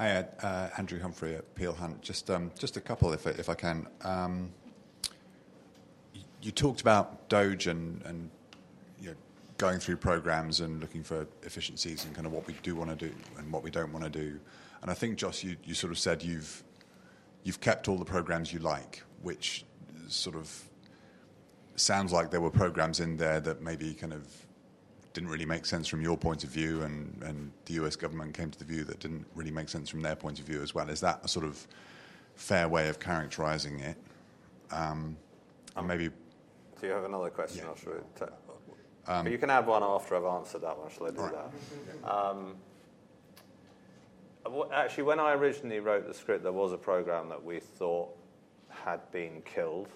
Hi, Andrew Humphrey at Peel Hunt. Just a couple, if I can. You talked about DoD and going through programs and looking for efficiencies and kind of what we do want to do and what we do not want to do. I think, Jos, you sort of said you have kept all the programs you like, which sort of sounds like there were programs in there that maybe kind of did not really make sense from your point of view, and the US government came to the view that did not really make sense from their point of view as well. Is that a sort of fair way of characterizing it? Maybe. Do you have another question or should we? You can have one after I have answered that one, shall I do that? Actually, when I originally wrote the script, there was a program that we thought had been killed.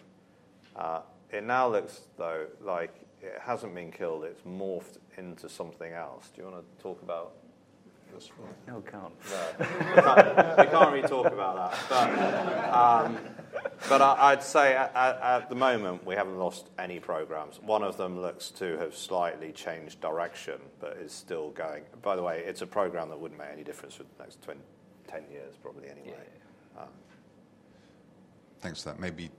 It now looks, though, like it hasn't been killed. It's morphed into something else. Do you want to talk about this one? No, we can't. We can't really talk about that. But I'd say at the moment, we haven't lost any programs. One of them looks to have slightly changed direction, but is still going. By the way, it's a program that wouldn't make any difference for the next 10 years, probably anyway. Thanks for that. Maybe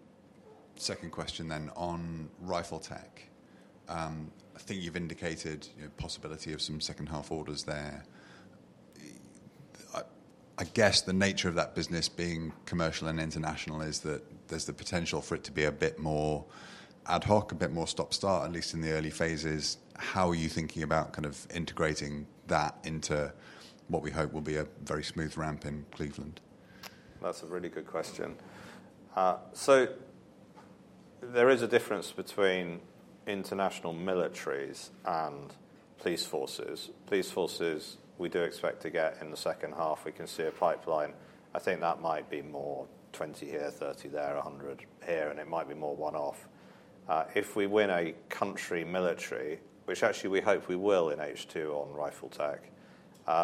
second question then on RIFLETECH. I think you've indicated the possibility of some second-half orders there. I guess the nature of that business being commercial and international is that there's the potential for it to be a bit more ad hoc, a bit more stop-start, at least in the early phases. How are you thinking about kind of integrating that into what we hope will be a very smooth ramp in Cleveland? That's a really good question. There is a difference between international militaries and police forces. Police forces, we do expect to get in the second half. We can see a pipeline. I think that might be more 20 here, 30 there, 100 here, and it might be more one-off. If we win a country military, which actually we hope we will in H2 on RIFLETECH,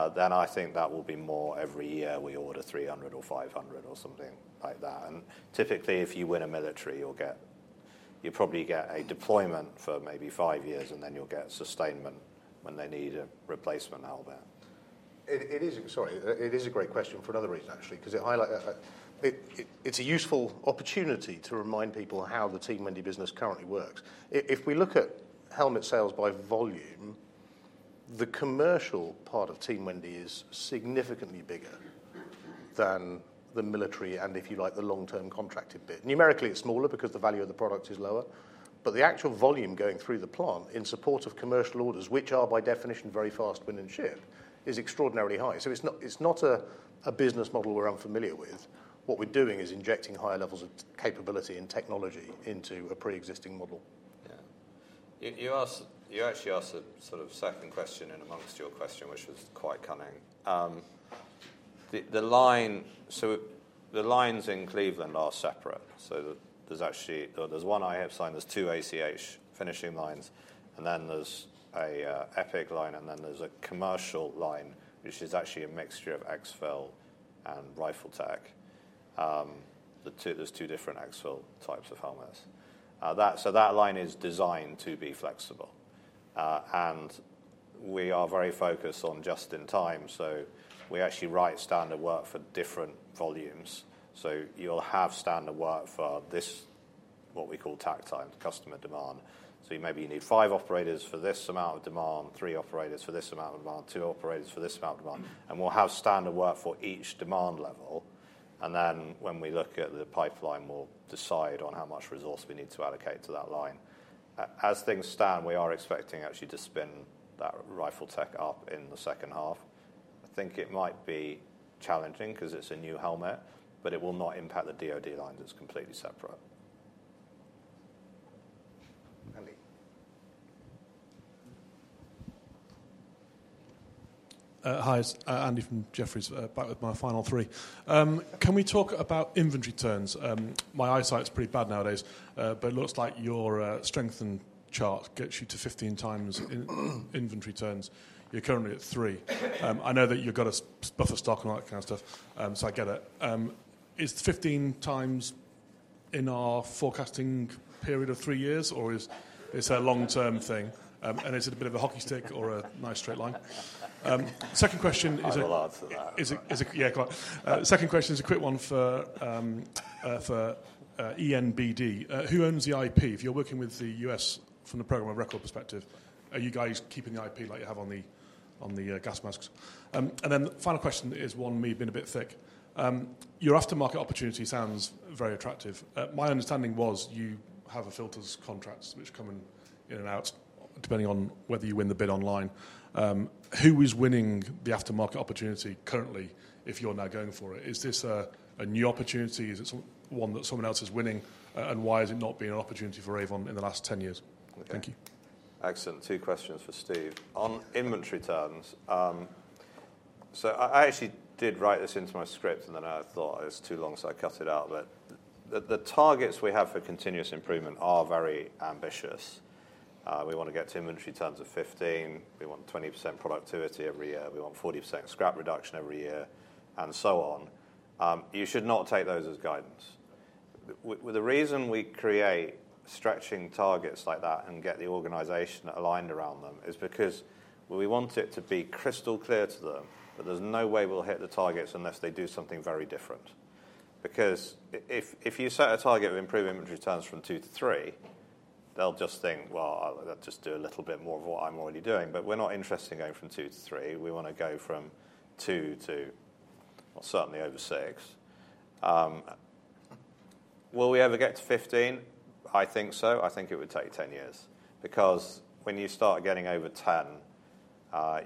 then I think that will be more every year we order 300 or 500 or something like that. Typically, if you win a military, you'll probably get a deployment for maybe five years, and then you'll get sustainment when they need a replacement now there. Sorry, it is a great question for another reason, actually, because it's a useful opportunity to remind people how the Team Wendy business currently works. If we look at helmet sales by volume, the commercial part of Team Wendy is significantly bigger than the military and, if you like, the long-term contracted bit. Numerically, it's smaller because the value of the product is lower. But the actual volume going through the plant in support of commercial orders, which are by definition very fast, win and ship, is extraordinarily high. It is not a business model we're unfamiliar with. What we're doing is injecting higher levels of capability and technology into a pre-existing model. Yeah. You actually asked a sort of second question in amongst your question, which was quite cunning. The lines in Cleveland are separate. There is one I have signed. There are two ACH finishing lines, and then there is an epic line, and then there is a commercial line, which is actually a mixture of EXFIL and RIFLETECH. are two different EXFIL types of helmets. That line is designed to be flexible. We are very focused on just-in-time. We actually write standard work for different volumes. You will have standard work for this, what we call tact time, customer demand. Maybe you need five operators for this amount of demand, three operators for this amount of demand, two operators for this amount of demand. We will have standard work for each demand level. When we look at the pipeline, we will decide on how much resource we need to allocate to that line. As things stand, we are expecting actually to spin that RIFLETECH up in the second half. I think it might be challenging because it is a new helmet, but it will not impact the DoD line. It is completely separate. Hi, Andy from Jefferies back with my final three. Can we talk about inventory turns? My eyesight's pretty bad nowadays, but it looks like your strengthened chart gets you to 15 times in inventory turns. You're currently at three. I know that you've got a buffer stock and all that kind of stuff, so I get it. Is 15 times in our forecasting period of three years, or is it a long-term thing? Is it a bit of a hockey stick or a nice straight line? Second question is a— not a lot of that. Yeah, go on. Second question is a quick one for ENBD. Who owns the IP? If you're working with the US from the program of record perspective, are you guys keeping the IP like you have on the gas masks? The final question is one, me being a bit thick. Your aftermarket opportunity sounds very attractive. My understanding was you have a filters contract which come in and out depending on whether you win the bid online. Who is winning the aftermarket opportunity currently if you're now going for it? Is this a new opportunity? Is it one that someone else is winning? Why has it not been an opportunity for Avon in the last 10 years? Thank you. Excellent. Two questions for Steve. On inventory turns, I actually did write this into my script, and then I thought it was too long, so I cut it out. The targets we have for continuous improvement are very ambitious. We want to get to inventory turns of 15. We want 20% productivity every year. We want 40% scrap reduction every year, and so on. You should not take those as guidance. The reason we create stretching targets like that and get the organization aligned around them is because we want it to be crystal clear to them that there's no way we'll hit the targets unless they do something very different. Because if you set a target of improving inventory turns from two to three, they'll just think, "Well, I'll just do a little bit more of what I'm already doing." We're not interested in going from two to three. We want to go from two to, well, certainly over six. Will we ever get to 15? I think so. I think it would take 10 years. Because when you start getting over 10,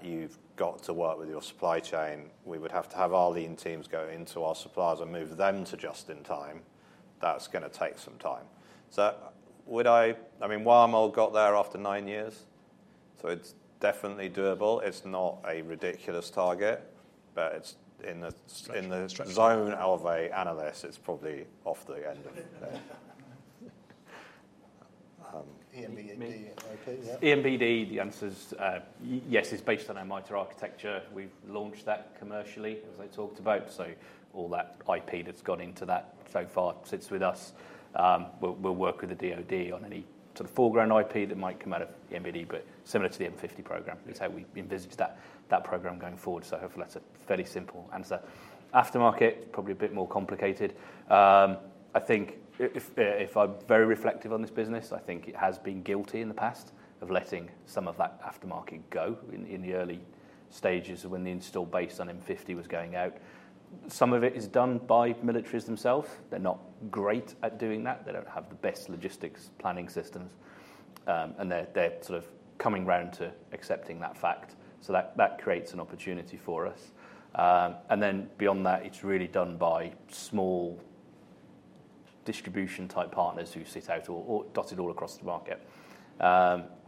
you've got to work with your supply chain. We would have to have our lean teams go into our suppliers and move them to just-in-time. That's going to take some time. I mean, why I got there after nine years? It's definitely doable. It's not a ridiculous target, but in the zone of an analyst, it's probably off the end of the day. ENBD, okay, yeah? ENBD, the answer's yes, it's based on our MITR architecture. We've launched that commercially, as I talked about. All that IP that's gone into that so far sits with us. We'll work with the DoD on any sort of foreground IP that might come out of ENBD, but similar to the M50 program. It's how we envisage that program going forward. Hopefully, that's a fairly simple answer. Aftermarket, probably a bit more complicated. I think if I'm very reflective on this business, I think it has been guilty in the past of letting some of that aftermarket go in the early stages when the installed base on M50 was going out. Some of it is done by militaries themselves. They're not great at doing that. They don't have the best logistics planning systems. They are sort of coming round to accepting that fact. That creates an opportunity for us. Beyond that, it's really done by small distribution-type partners who sit out or dotted all across the market.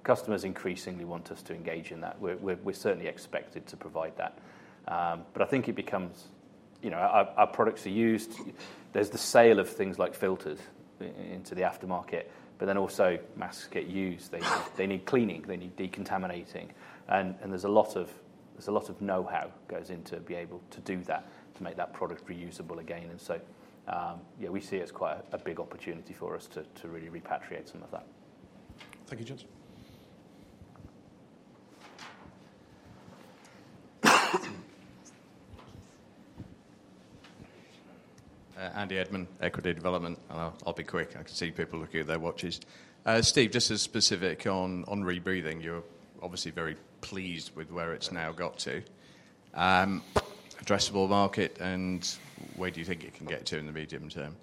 Customers increasingly want us to engage in that. We're certainly expected to provide that. I think it becomes our products are used. There's the sale of things like filters into the aftermarket, but then also masks get used. They need cleaning. They need decontaminating. There is a lot of know-how that goes into being able to do that, to make that product reusable again. We see it as quite a big opportunity for us to really repatriate some of that. Thank you, gents. Andy Edmond, Equity Development. I will be quick. I can see people looking at their watches. Steve, just as specific on rebreathing, you are obviously very pleased with where it has now got to. Addressable market, and where do you think it can get to in the medium term?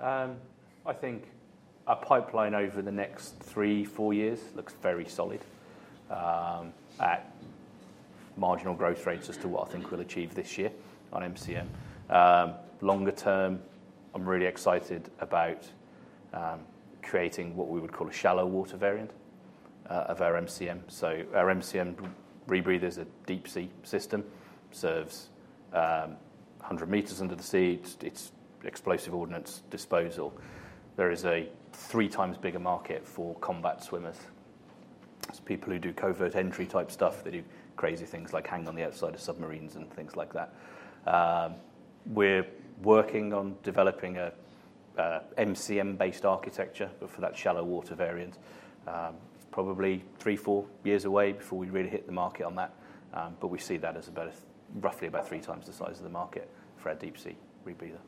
I think a pipeline over the next three, four years looks very solid at marginal growth rates as to what I think we will achieve this year on MCM. Longer term, I am really excited about creating what we would call a shallow water variant of our MCM. Our MCM rebreather is a deep-sea system. It serves 100 meters under the sea. It's explosive ordnance disposal. There is a three times bigger market for combat swimmers. It's people who do covert entry type stuff. They do crazy things like hang on the outside of submarines and things like that. We're working on developing an MCM-based architecture, but for that shallow water variant. Probably three or four years away before we really hit the market on that. We see that as roughly about three times the size of the market for our deep-sea rebreather.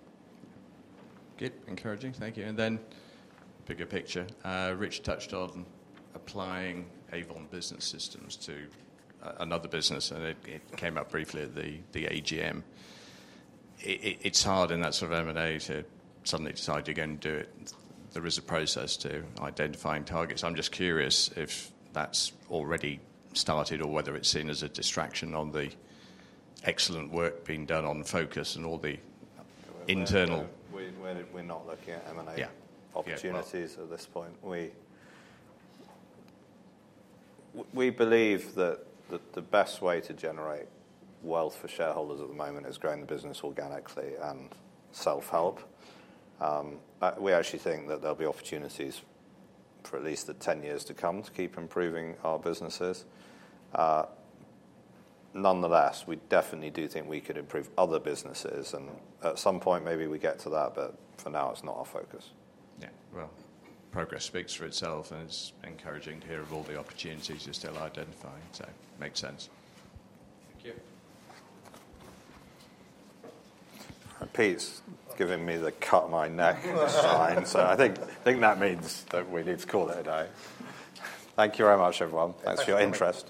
Good. Encouraging. Thank you. Bigger picture. Rich touched on applying Avon business systems to another business, and it came up briefly, the AGM. It's hard in that sort of M&A to suddenly decide you're going to do it. There is a process to identifying targets. I'm just curious if that's already started or whether it's seen as a distraction on the excellent work being done on Focus and all the internal. We're not looking at M&A opportunities at this point. We believe that the best way to generate wealth for shareholders at the moment is growing the business organically and self-help. We actually think that there'll be opportunities for at least the 10 years to come to keep improving our businesses. Nonetheless, we definitely do think we could improve other businesses. At some point, maybe we get to that, but for now, it's not our focus. Progress speaks for itself, and it's encouraging to hear of all the opportunities you're still identifying. It makes sense. Thank you. Peter's giving me the cut my neck sign. I think that means that we need to call it a day. Thank you very much, everyone. Thanks for your interest.